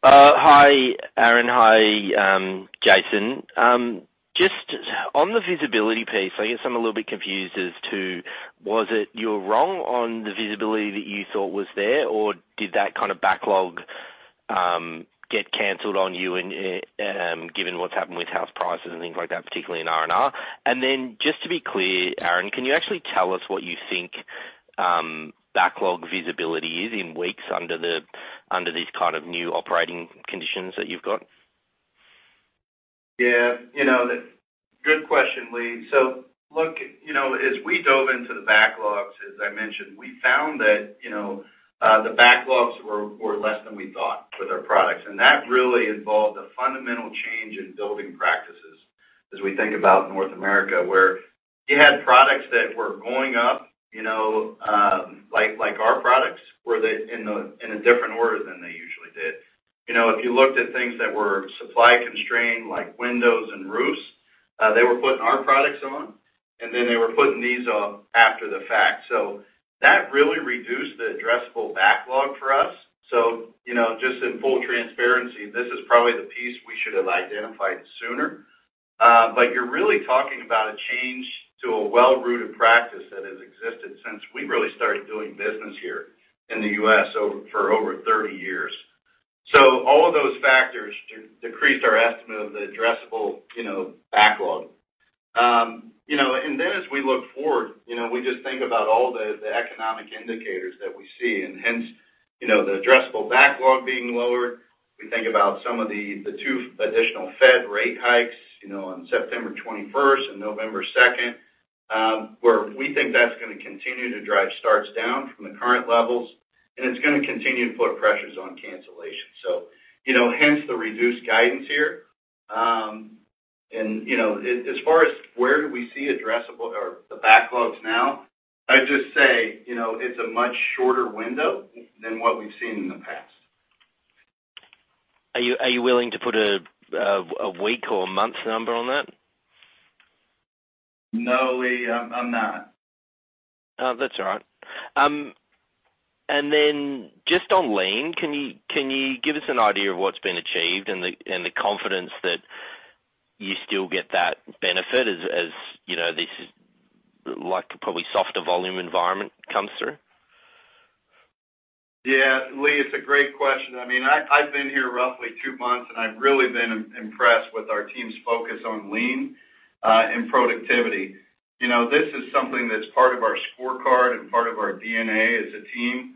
Hi, Aaron. Hi, Jason. Just on the visibility piece, I guess I'm a little bit confused as to was it you're wrong on the visibility that you thought was there, or did that kind of backlog get canceled on you given what's happened with house prices and things like that, particularly in R&R? Just to be clear, Aaron, can you actually tell us what you think backlog visibility is in weeks under these kind of new operating conditions that you've got? Good question, Lee. As we dove into the backlogs, as I mentioned, we found that the backlogs were less than we thought with our products, and that really involved a fundamental change in building practices as we think about North America, where you had products that were going up, like our products, were in a different order than they usually did. If you looked at things that were supply-constrained, like windows and roofs, they were putting our products on, and then they were putting these on after the fact. That really reduced the addressable backlog for us. Just in full transparency, this is probably the piece we should have identified sooner. You're really talking about a change to a well-rooted practice that has existed since we really started doing business here in the U.S. for over 30 years. All of those factors decreased our estimate of the addressable backlog. As we look forward, we just think about all the economic indicators that we see and hence the addressable backlog being lower. We think about some of the two additional Fed rate hikes on September 21st and November 2nd, where we think that's going to continue to drive starts down from the current levels, and it's going to continue to put pressures on cancellation. Hence the reduced guidance here. As far as where do we see addressable or the backlogs now, I'd just say it's a much shorter window than what we've seen in the past. Are you willing to put a week or a month number on that? No, Lee, I'm not. That's all right. Just on Lean, can you give us an idea of what's been achieved and the confidence that you still get that benefit as this is like probably softer volume environment comes through? Yeah, Lee, it's a great question. I've been here roughly two months. I've really been impressed with our team's focus on Lean and productivity. This is something that's part of our scorecard and part of our DNA as a team.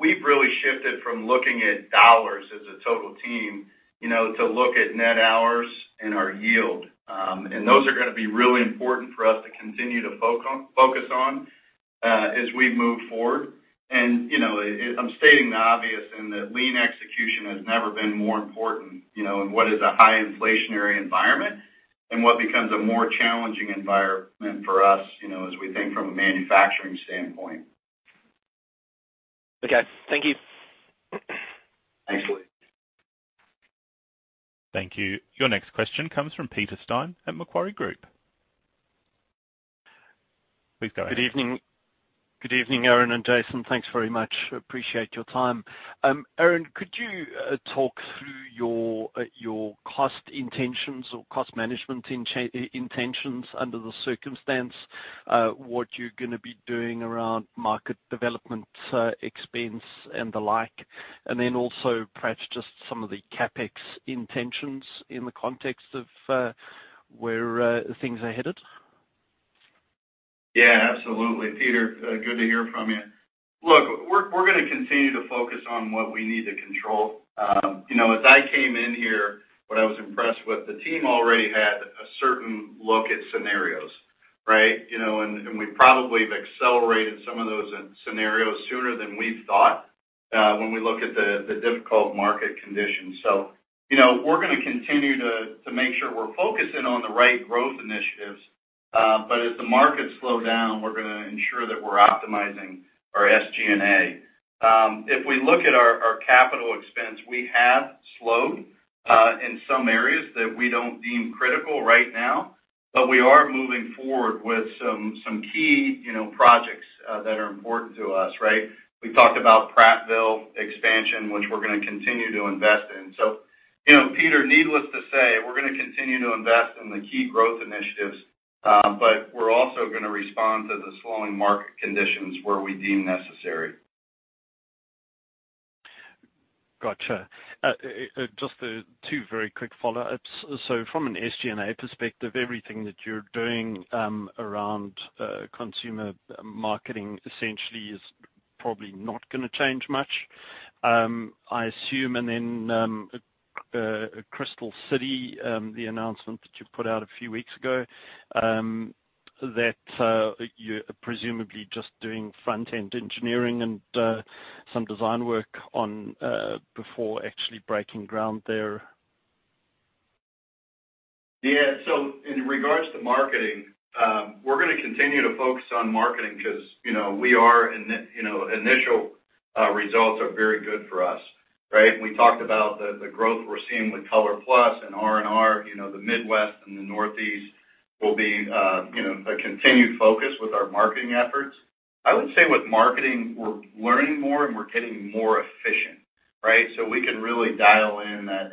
We've really shifted from looking at $ as a total team to look at net hours and our yield. Those are going to be really important for us to continue to focus on as we move forward. I'm stating the obvious in that Lean execution has never been more important in what is a high inflationary environment and what becomes a more challenging environment for us as we think from a manufacturing standpoint. Okay. Thank you. Thanks, Lee. Thank you. Your next question comes from Peter Steyn at Macquarie Group. Please go ahead. Good evening, Aaron and Jason. Thanks very much. Appreciate your time. Aaron, could you talk through your cost intentions or cost management intentions under the circumstance, what you're going to be doing around market development expense and the like? Then also perhaps just some of the CapEx intentions in the context of where things are headed. Yeah, absolutely. Peter, good to hear from you. Look, we're going to continue to focus on what we need to control. As I came in here, what I was impressed with, the team already had a certain look at scenarios, right? We probably have accelerated some of those scenarios sooner than we thought when we look at the difficult market conditions. We're going to continue to make sure we're focusing on the right growth initiatives. As the markets slow down, we're going to ensure that we're optimizing our SG&A. If we look at our capital expense, we have slowed in some areas that we don't deem critical right now, but we are moving forward with some key projects that are important to us. We talked about Prattville expansion, which we're going to continue to invest in. Peter, needless to say, we're going to continue to invest in the key growth initiatives, we're also going to respond to the slowing market conditions where we deem necessary. Got you. Just two very quick follow-ups. From an SG&A perspective, everything that you're doing around consumer marketing essentially is probably not going to change much, I assume. Crystal City, the announcement that you put out a few weeks ago, that you're presumably just doing front-end engineering and some design work before actually breaking ground there. Yeah. In regards to marketing, we're going to continue to focus on marketing because initial results are very good for us. We talked about the growth we're seeing with ColorPlus and R&R, the Midwest and the Northeast will be a continued focus with our marketing efforts. I would say with marketing, we're learning more and we're getting more efficient. We can really dial in that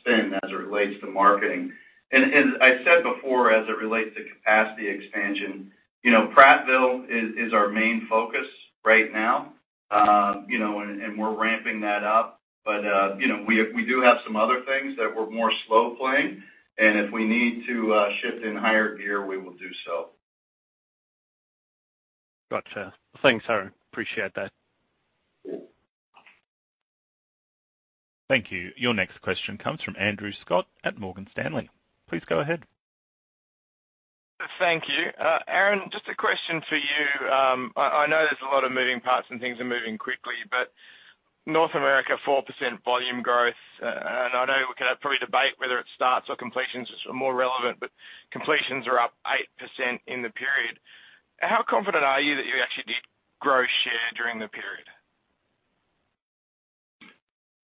spend as it relates to marketing. As I said before, as it relates to capacity expansion, Prattville is our main focus right now, and we're ramping that up. We do have some other things that we're more slow playing, and if we need to shift in higher gear, we will do so. Got you. Thanks, Aaron. Appreciate that. Thank you. Your next question comes from Andrew Scott at Morgan Stanley. Please go ahead. Thank you. Aaron, just a question for you. I know there's a lot of moving parts and things are moving quickly, but North America, 4% volume growth. I know we can probably debate whether it starts or completions are more relevant, but completions are up 8% in the period. How confident are you that you actually did grow share during the period?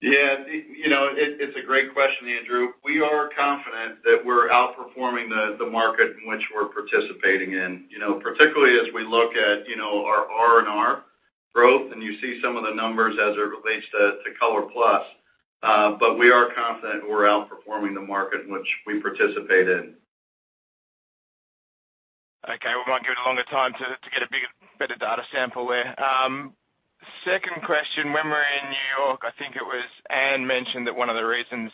Yeah. It's a great question, Andrew. We are confident that we're outperforming the market in which we're participating in, particularly as we look at our R&R growth, and you see some of the numbers as it relates to ColorPlus. We are confident we're outperforming the market in which we participate in. Okay. We might give it a longer time to get a bigger, better data sample there. Second question, when we were in New York, I think it was Anne mentioned that one of the reasons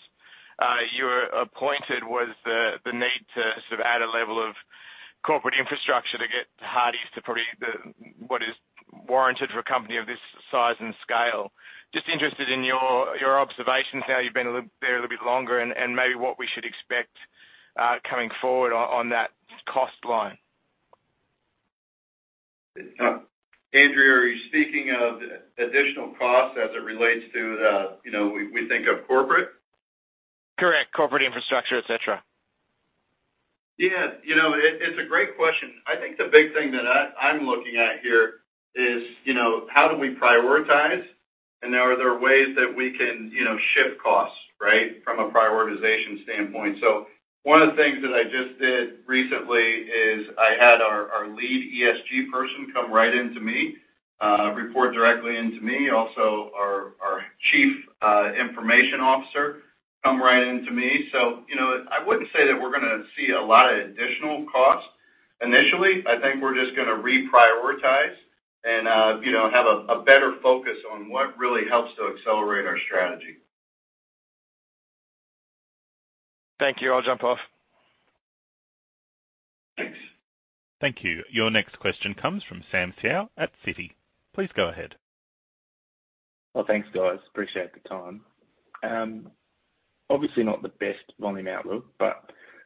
you were appointed was the need to sort of add a level of corporate infrastructure to get Hardie's to probably what is warranted for a company of this size and scale. Just interested in your observations now you've been there a little bit longer, and maybe what we should expect coming forward on that cost line. Andrew, are you speaking of additional costs as it relates to we think of corporate? Correct. Corporate infrastructure, et cetera. Yeah. It's a great question. I think the big thing that I'm looking at here is how do we prioritize, and are there ways that we can shift costs from a prioritization standpoint? One of the things that I just did recently is I had our lead ESG person come right into me, report directly into me, also our Chief Information Officer come right into me. I wouldn't say that we're going to see a lot of additional cost initially. I think we're just going to reprioritize and have a better focus on what really helps to accelerate our strategy. Thank you. I'll jump off. Thanks. Thank you. Your next question comes from Samuel Seow at Citi. Please go ahead. Thanks, guys. Appreciate the time. Obviously not the best volume outlook,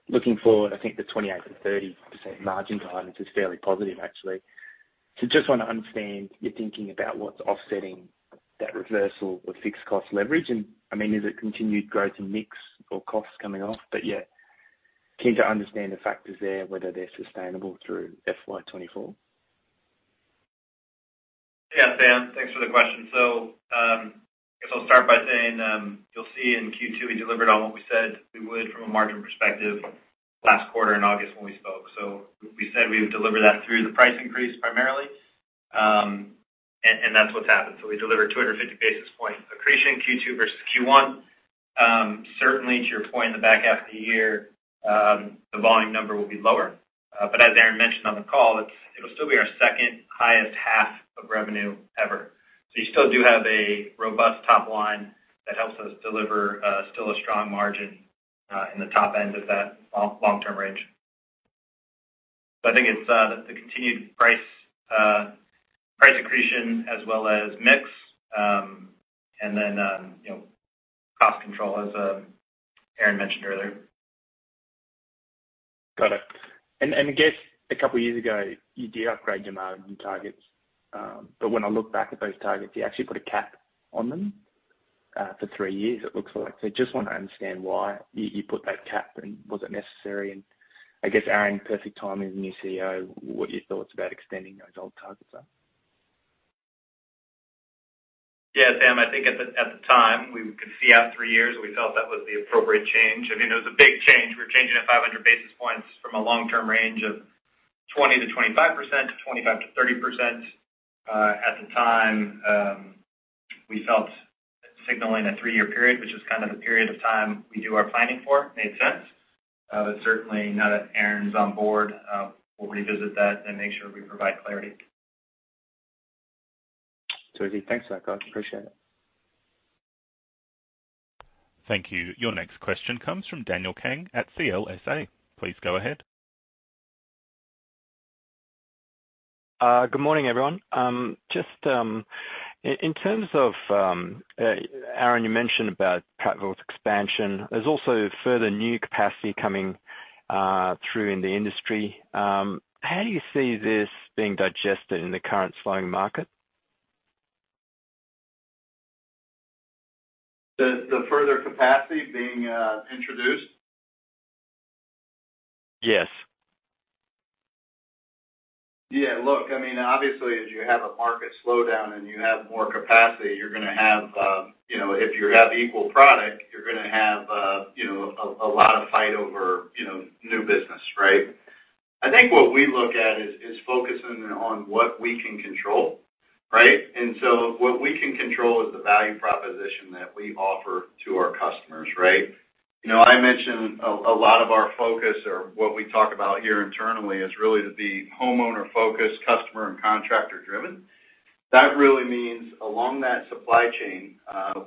looking forward, I think the 28%-30% margin guidance is fairly positive, actually. Just want to understand your thinking about what's offsetting that reversal of fixed cost leverage, is it continued growth in mix or costs coming off? Keen to understand the factors there, whether they're sustainable through FY 2024. Sam. Thanks for the question. I guess I'll start by saying, you'll see in Q2, we delivered on what we said we would from a margin perspective last quarter in August when we spoke. We said we would deliver that through the price increase primarily, that's what's happened. We delivered 250 basis point accretion Q2 versus Q1. Certainly to your point, in the back half of the year, the volume number will be lower. As Aaron mentioned on the call, it'll still be our second highest half of revenue ever. You still do have a robust top line that helps us deliver still a strong margin in the top end of that long-term range. I think it's the continued price accretion as well as mix, then cost control, as Aaron mentioned earlier. Got it. I guess a couple of years ago, you did upgrade your margin targets. When I look back at those targets, you actually put a cap on them for three years it looks like. Just want to understand why you put that cap, was it necessary? I guess, Aaron, perfect timing as the new CEO, what are your thoughts about extending those old targets are? Sam, I think at the time we could see out three years, we felt that was the appropriate change. It was a big change. We were changing at 500 basis points from a long-term range of 20%-25%, to 25%-30%. At the time, we felt signaling a three-year period, which is kind of the period of time we do our planning for, made sense. Certainly now that Aaron's on board, we'll revisit that make sure we provide clarity. Thanks for that, guys. Appreciate it. Thank you. Your next question comes from Daniel Kang at CLSA. Please go ahead. Good morning, everyone. Just in terms of, Aaron, you mentioned about Prattville's expansion. There's also further new capacity coming through in the industry. How do you see this being digested in the current slowing market? The further capacity being introduced? Yes. Yeah, look, obviously, as you have a market slowdown and you have more capacity, if you have equal product, you're going to have a lot of fight over new business, right? I think what we look at is focusing on what we can control, right? What we can control is the value proposition that we offer to our customers, right? I mentioned a lot of our focus or what we talk about here internally is really to be homeowner-focused, customer and contractor driven. That really means along that supply chain,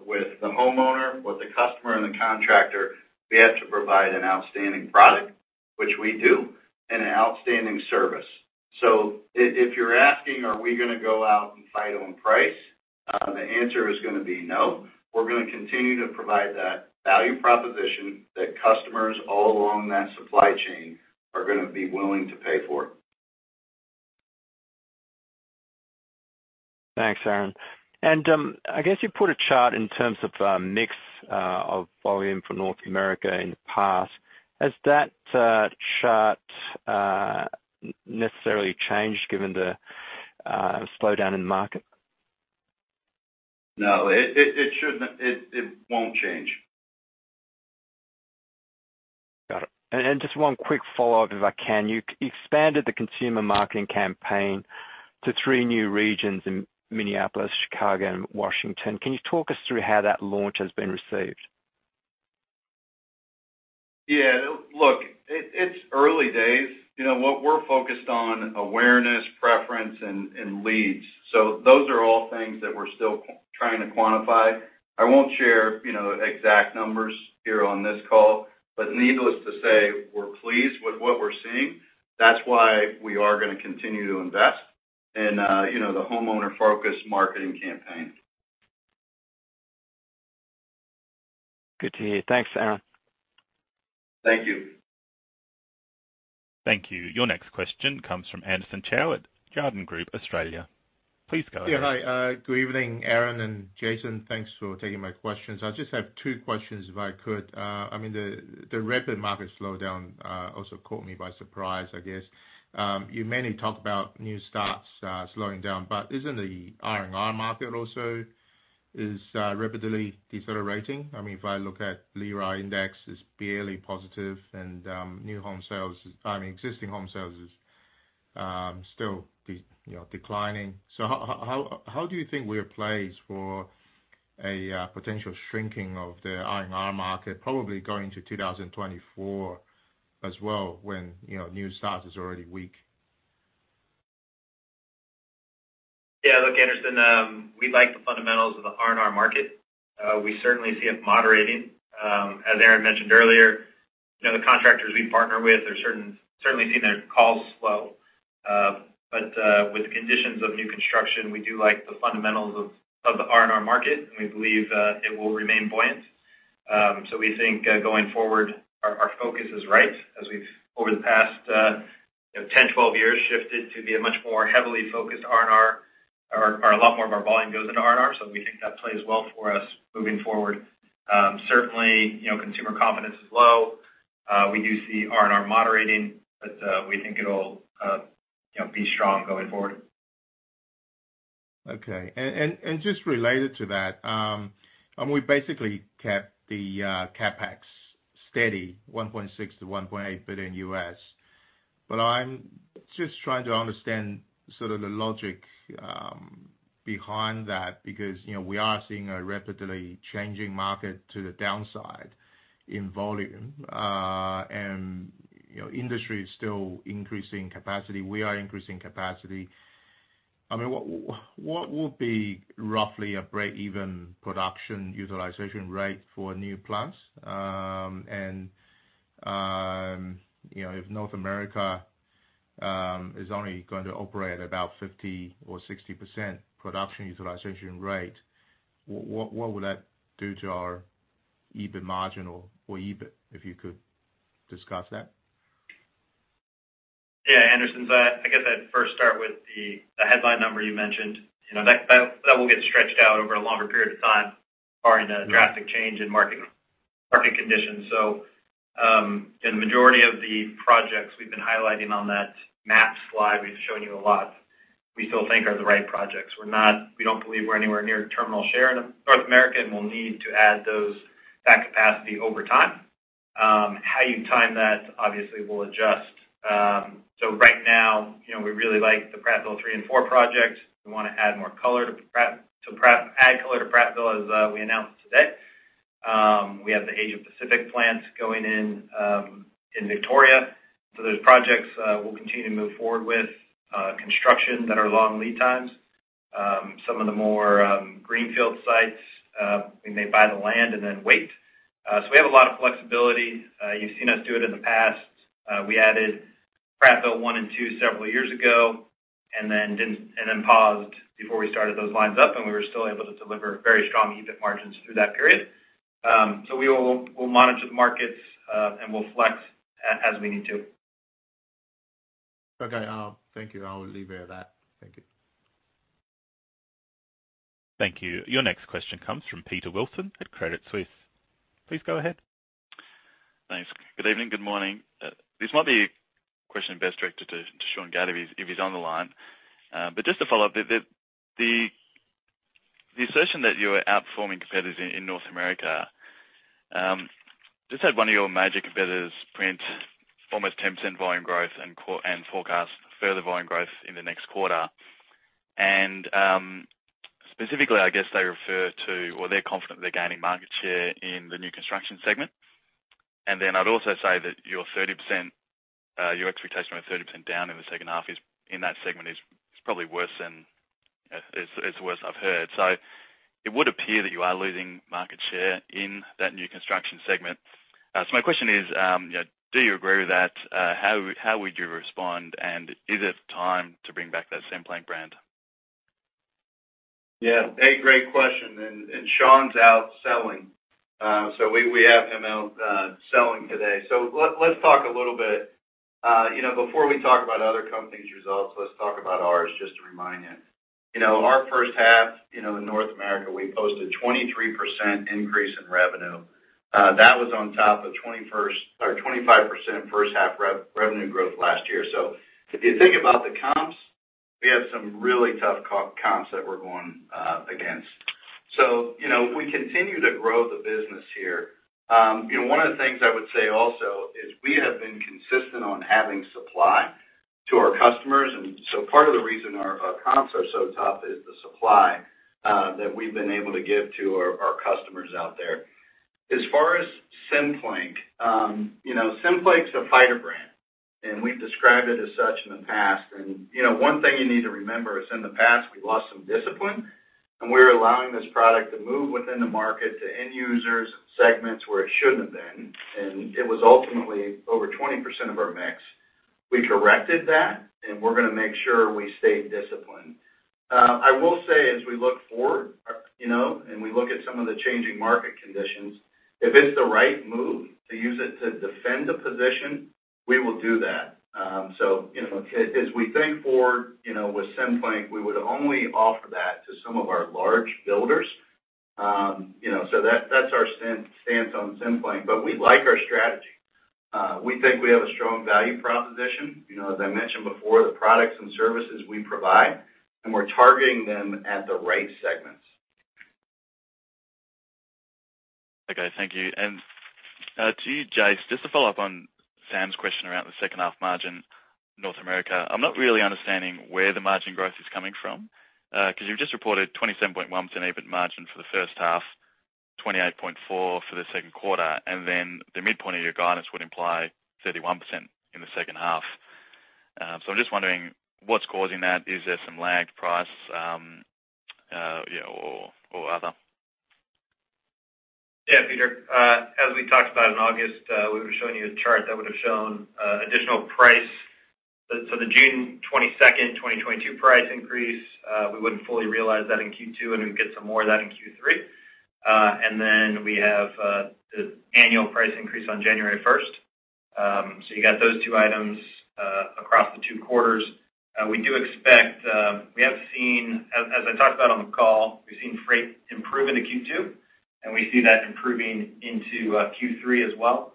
with the homeowner, with the customer and the contractor, we have to provide an outstanding product, which we do, and an outstanding service. If you're asking are we going to go out and fight on price? The answer is going to be no. We're going to continue to provide that value proposition that customers all along that supply chain are going to be willing to pay for. Thanks, Aaron. I guess you put a chart in terms of mix of volume for North America in the past. Has that chart necessarily changed given the slowdown in the market? No, it won't change. Got it. Just one quick follow-up, if I can. You expanded the consumer marketing campaign to three new regions in Minneapolis, Chicago, and Washington. Can you talk us through how that launch has been received? Yeah, look, it's early days. What we're focused on, awareness, preference, and leads. Those are all things that we're still trying to quantify. I won't share exact numbers here on this call, needless to say, we're pleased with what we're seeing. That's why we are going to continue to invest in the homeowner-focused marketing campaign. Good to hear. Thanks, Aaron. Thank you. Thank you. Your next question comes from Anderson Chow at Jarden Australia. Please go ahead. Hi, good evening, Aaron and Jason. Thanks for taking my questions. I just have two questions, if I could. The rapid market slowdown also caught me by surprise, I guess. You mainly talk about new starts slowing down, isn't the R&R market also is rapidly decelerating? If I look at the LIRA Index is barely positive, and existing home sales is still declining. How do you think we are placed for a potential shrinking of the R&R market, probably going into 2024 as well, when new starts is already weak? Look, Anderson, we like the fundamentals of the R&R market. We certainly see it moderating. As Aaron mentioned earlier, the contractors we partner with are certainly seeing their calls slow. With the conditions of new construction, we do like the fundamentals of the R&R market, and we believe it will remain buoyant. We think going forward, our focus is right as we've over the past 10, 12 years, shifted to be a much more heavily focused R&R. A lot more of our volume goes into R&R, we think that plays well for us moving forward. Certainly, consumer confidence is low. We do see R&R moderating, we think it'll be strong going forward. Okay. Just related to that, we basically kept the CapEx steady, $1.6 billion-$1.8 billion U.S. I'm just trying to understand sort of the logic behind that, because we are seeing a rapidly changing market to the downside in volume. Industry is still increasing capacity. We are increasing capacity. What would be roughly a break-even production utilization rate for new plants? If North America is only going to operate about 50% or 60% production utilization rate, what would that do to our EBIT margin or EBIT, if you could discuss that? Anderson, I guess I'd first start with the headline number you mentioned. That will get stretched out over a longer period of time barring a drastic change in market conditions. In the majority of the projects we've been highlighting on that map slide we've shown you a lot, we still think are the right projects. We don't believe we're anywhere near terminal share in North America, and we'll need to add that capacity over time. How you time that obviously will adjust. Right now, we really like the Prattville 3 and 4 projects. We want to add color to Prattville, as we announced today. We have the Asia Pacific plants going in Victoria. Those projects, we'll continue to move forward with construction that are long lead times. Some of the more greenfield sites, we may buy the land and then wait. We have a lot of flexibility. You've seen us do it in the past. We added Prattville 1 and 2 several years ago, and then paused before we started those lines up, and we were still able to deliver very strong EBIT margins through that period. We'll monitor the markets, and we'll flex as we need to. Thank you. I will leave it at that. Thank you. Thank you. Your next question comes from Peter Wilson at Credit Suisse. Please go ahead. Thanks. Good evening, good morning. This might be a question best directed to Sean Gadd, if he's on the line. Just to follow up, the assertion that you are outperforming competitors in North America. Just had one of your major competitors print almost 10% volume growth and forecast further volume growth in the next quarter. Specifically, I guess they refer to, or they're confident they're gaining market share in the new construction segment. I'd also say that your expectation of 30% down in the second half in that segment is probably worse than I've heard. It would appear that you are losing market share in that new construction segment. My question is, do you agree with that? How would you respond, and is it time to bring back that Cemplank brand? Yeah, a great question. Sean's out selling, so we have him out selling today. Let's talk a little bit. Before we talk about other companies' results, let's talk about ours, just to remind you. Our first half in North America, we posted 23% increase in revenue. That was on top of 25% first half revenue growth last year. If you think about the comps, we have some really tough comps that we're going against. We continue to grow the business here. One of the things I would say also is we have been consistent on having supply to our customers, part of the reason our comps are so tough is the supply that we've been able to give to our customers out there. As far as Cemplank's a fighter brand, and we've described it as such in the past. One thing you need to remember is, in the past, we lost some discipline, and we were allowing this product to move within the market to end users and segments where it shouldn't have been. It was ultimately over 20% of our mix. We corrected that, we're going to make sure we stay disciplined. I will say, as we look forward, and we look at some of the changing market conditions, if it's the right move to use it to defend a position, we will do that. As we think forward with Cemplank, we would only offer that to some of our large builders. That's our stance on Cemplank, but we like our strategy. We think we have a strong value proposition. As I mentioned before, the products and services we provide, we're targeting them at the right segments. Okay, thank you. To you, Jase, just to follow up on Sam's question around the second half margin North America. I'm not really understanding where the margin growth is coming from. You've just reported 27.1% EBIT margin for the first half, 28.4% for the second quarter, the midpoint of your guidance would imply 31% in the second half. I'm just wondering what's causing that. Is there some lagged price, or other? Peter, as we talked about in August, we were showing you a chart that would have shown additional price. The June 22nd, 2022 price increase, we wouldn't fully realize that in Q2, and we'd get some more of that in Q3. We have the annual price increase on January 1st. You got those two items across the two quarters. We have seen, as I talked about on the call, we've seen freight improve into Q2, and we see that improving into Q3 as well.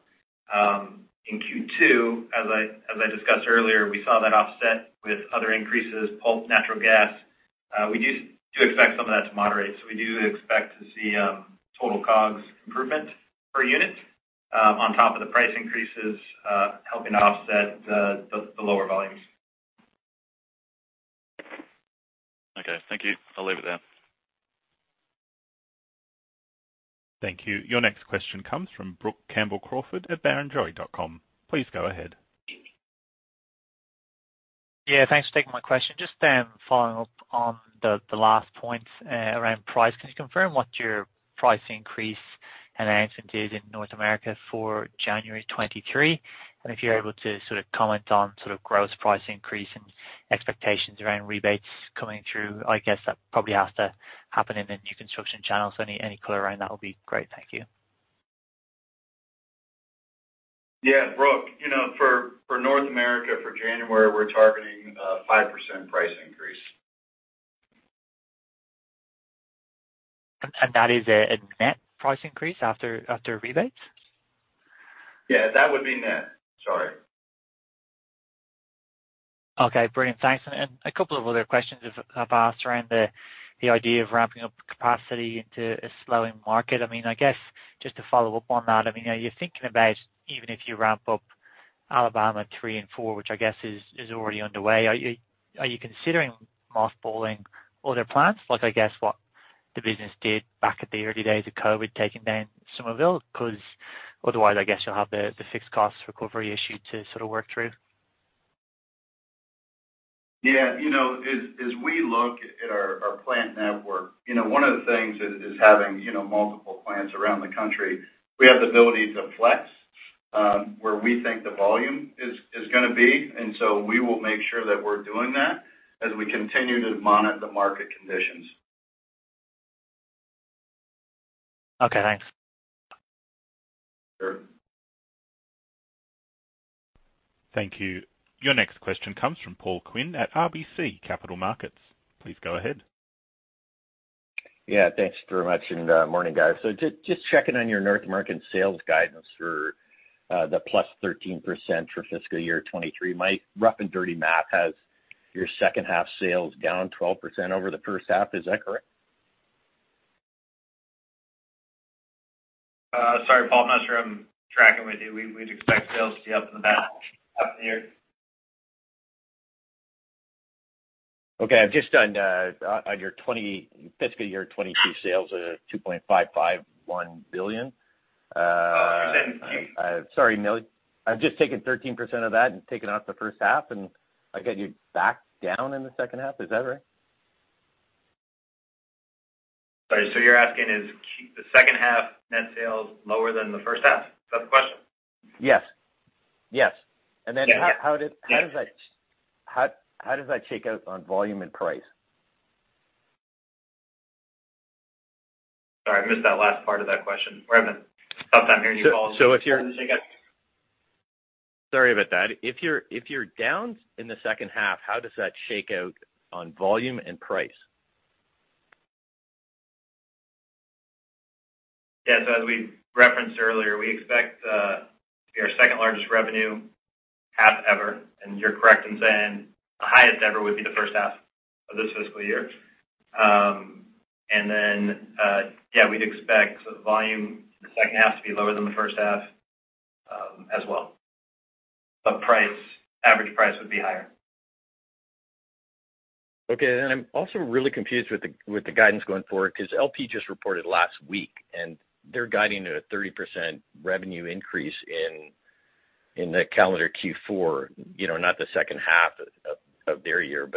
In Q2, as I discussed earlier, we saw that offset with other increases, pulp, natural gas. We do expect some of that to moderate. We do expect to see total COGS improvement per unit on top of the price increases, helping to offset the lower volumes. Okay, thank you. I'll leave it there. Thank you. Your next question comes from Brook Campbell-Crawford at Barrenjoey. Please go ahead. Thanks for taking my question. Just following up on the last points around price. Can you confirm what your price increase announcement is in North America for January 2023? If you're able to comment on gross price increase and expectations around rebates coming through. I guess that probably has to happen in the new construction channels. Any color around that will be great. Thank you. Yeah, Brook. For North America, for January, we're targeting a 5% price increase. That is a net price increase after rebates? Yeah, that would be net. Sorry. Okay, brilliant. Thanks. A couple of other questions have asked around the idea of ramping up capacity into a slowing market. I guess just to follow up on that, are you thinking about even if you ramp up Alabama 3 and 4, which I guess is already underway, are you considering mothballing other plants? Like, I guess what the business did back at the early days of COVID, taking down Summerville, because otherwise I guess you'll have the fixed cost recovery issue to sort of work through. As we look at our plant network, one of the things is having multiple plants around the country. We have the ability to flex, where we think the volume is going to be. We will make sure that we're doing that as we continue to monitor the market conditions. Okay, thanks. Sure. Thank you. Your next question comes from Paul Quinn at RBC Capital Markets. Please go ahead. Yeah, thanks very much, and morning, guys. Just checking on your North American sales guidance for the plus 13% for fiscal year 2023. My rough and dirty math has your second half sales down 12% over the first half. Is that correct? Sorry, Paul. I'm not sure I'm tracking with you. We'd expect sales to be up in the back half of the year. Okay. I've just done on your fiscal year 2022 sales of $2.551 billion. You said. Sorry, no. I've just taken 13% of that and taken off the first half, and I got you back down in the second half. Is that right? Sorry. You're asking is the second half net sales lower than the first half? Is that the question? Yes. Yes How does that shake out on volume and price? Sorry, I missed that last part of that question. We're having a tough time hearing you, Paul. Sorry about that. If you're down in the second half, how does that shake out on volume and price? Yeah. As we referenced earlier, we expect our second largest revenue half ever, and you're correct in saying the highest ever would be the first half of this fiscal year. Yeah, we'd expect volume in the second half to be lower than the first half as well. Average price would be higher. Okay, I'm also really confused with the guidance going forward, because LP just reported last week, and they're guiding at a 30% revenue increase in the calendar Q4, not the second half of their year.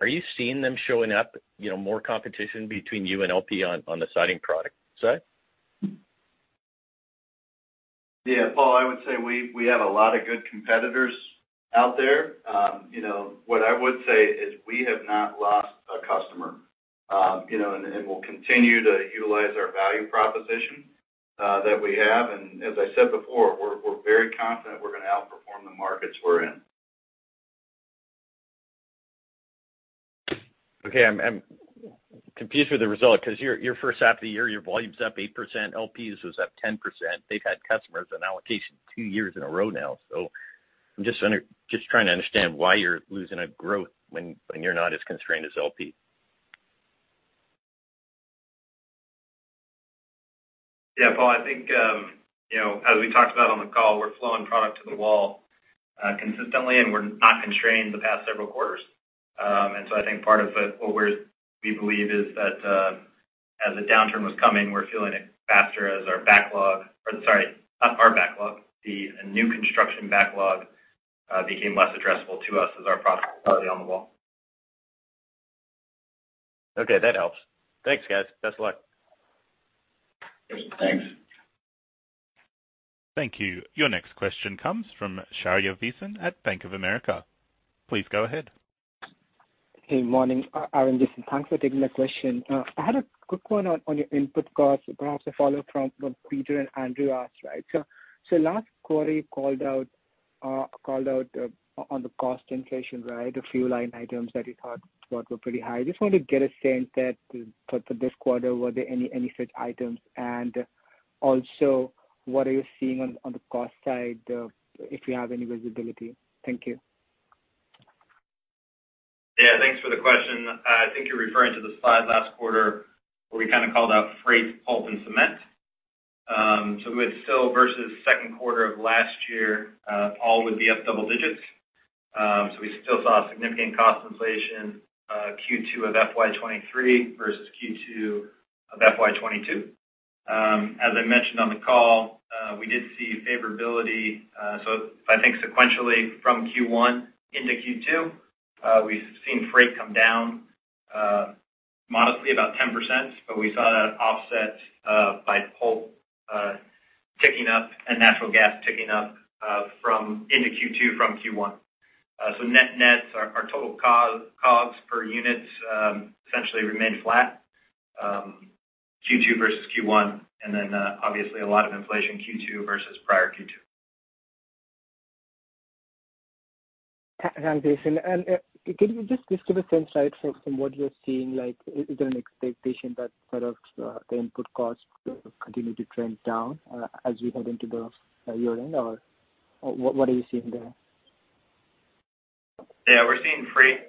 Are you seeing them showing up, more competition between you and LP on the siding product side? Yeah. Paul, I would say we have a lot of good competitors out there. What I would say is we have not lost a customer. We'll continue to utilize our value proposition that we have. As I said before, we're very confident we're going to outperform the markets we're in. Okay. I'm confused with the result because your first half of the year, your volume's up 8%, LP's was up 10%. They've had customers on allocation 2 years in a row now. I'm just trying to understand why you're losing a growth when you're not as constrained as LP. Yeah, Paul, I think, as we talked about on the call, we're flowing product to the wall consistently, and we're not constrained the past several quarters. I think part of it, we believe is that as the downturn was coming, we're feeling it faster as our backlog, or sorry, not our backlog, the new construction backlog became less addressable to us as our product was already on the wall. Okay, that helps. Thanks, guys. Best of luck. Thanks. Thank you. Your next question comes from Shaurya Visen at Bank of America. Please go ahead. Hey, morning, Aaron. Listen, thanks for taking my question. I had a quick one on your input costs, perhaps a follow-up from what Peter and Andrew asked, right? Last quarter, you called out on the cost inflation, right? A few line items that you thought were pretty high. I just wanted to get a sense that for this quarter, were there any such items? Also, what are you seeing on the cost side, if you have any visibility? Thank you. Yeah, thanks for the question. I think you're referring to the slide last quarter where we kind of called out freight, pulp, and cement. We would still versus second quarter of last year, all would be up double digits. We still saw significant cost inflation Q2 of FY 2023 versus Q2 of FY 2022. As I mentioned on the call, we did see favorability. I think sequentially from Q1 into Q2, we've seen freight come down modestly about 10%, but we saw that offset by pulp ticking up and natural gas ticking up into Q2 from Q1. Net-nets, our total COGS per units essentially remained flat Q2 versus Q1, and then obviously a lot of inflation Q2 versus prior Q2. Thanks, Jason. Can you just give us insight from what you're seeing, like is there an expectation that sort of the input costs continue to trend down as we head into the year-end, or what are you seeing there? Yeah, we're seeing freight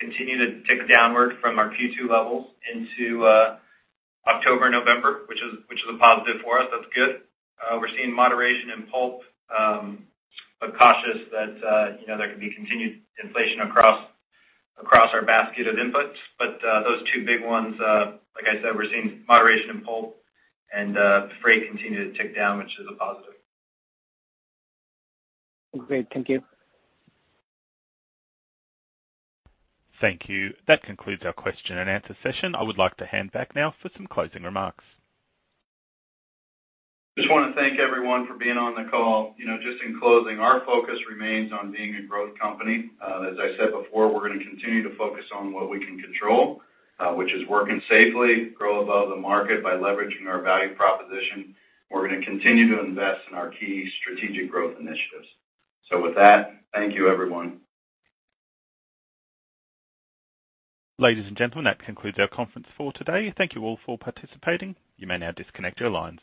continue to tick downward from our Q2 levels into October, November, which is a positive for us. That's good. We're seeing moderation in pulp, but cautious that there could be continued inflation across our basket of inputs. Those two big ones, like I said, we're seeing moderation in pulp and freight continue to tick down, which is a positive. Great. Thank you. Thank you. That concludes our question and answer session. I would like to hand back now for some closing remarks. I just want to thank everyone for being on the call. In closing, our focus remains on being a growth company. As I said before, we're going to continue to focus on what we can control, which is working safely, grow above the market by leveraging our value proposition. We're going to continue to invest in our key strategic growth initiatives. With that, thank you, everyone. Ladies and gentlemen, that concludes our conference for today. Thank you all for participating. You may now disconnect your lines.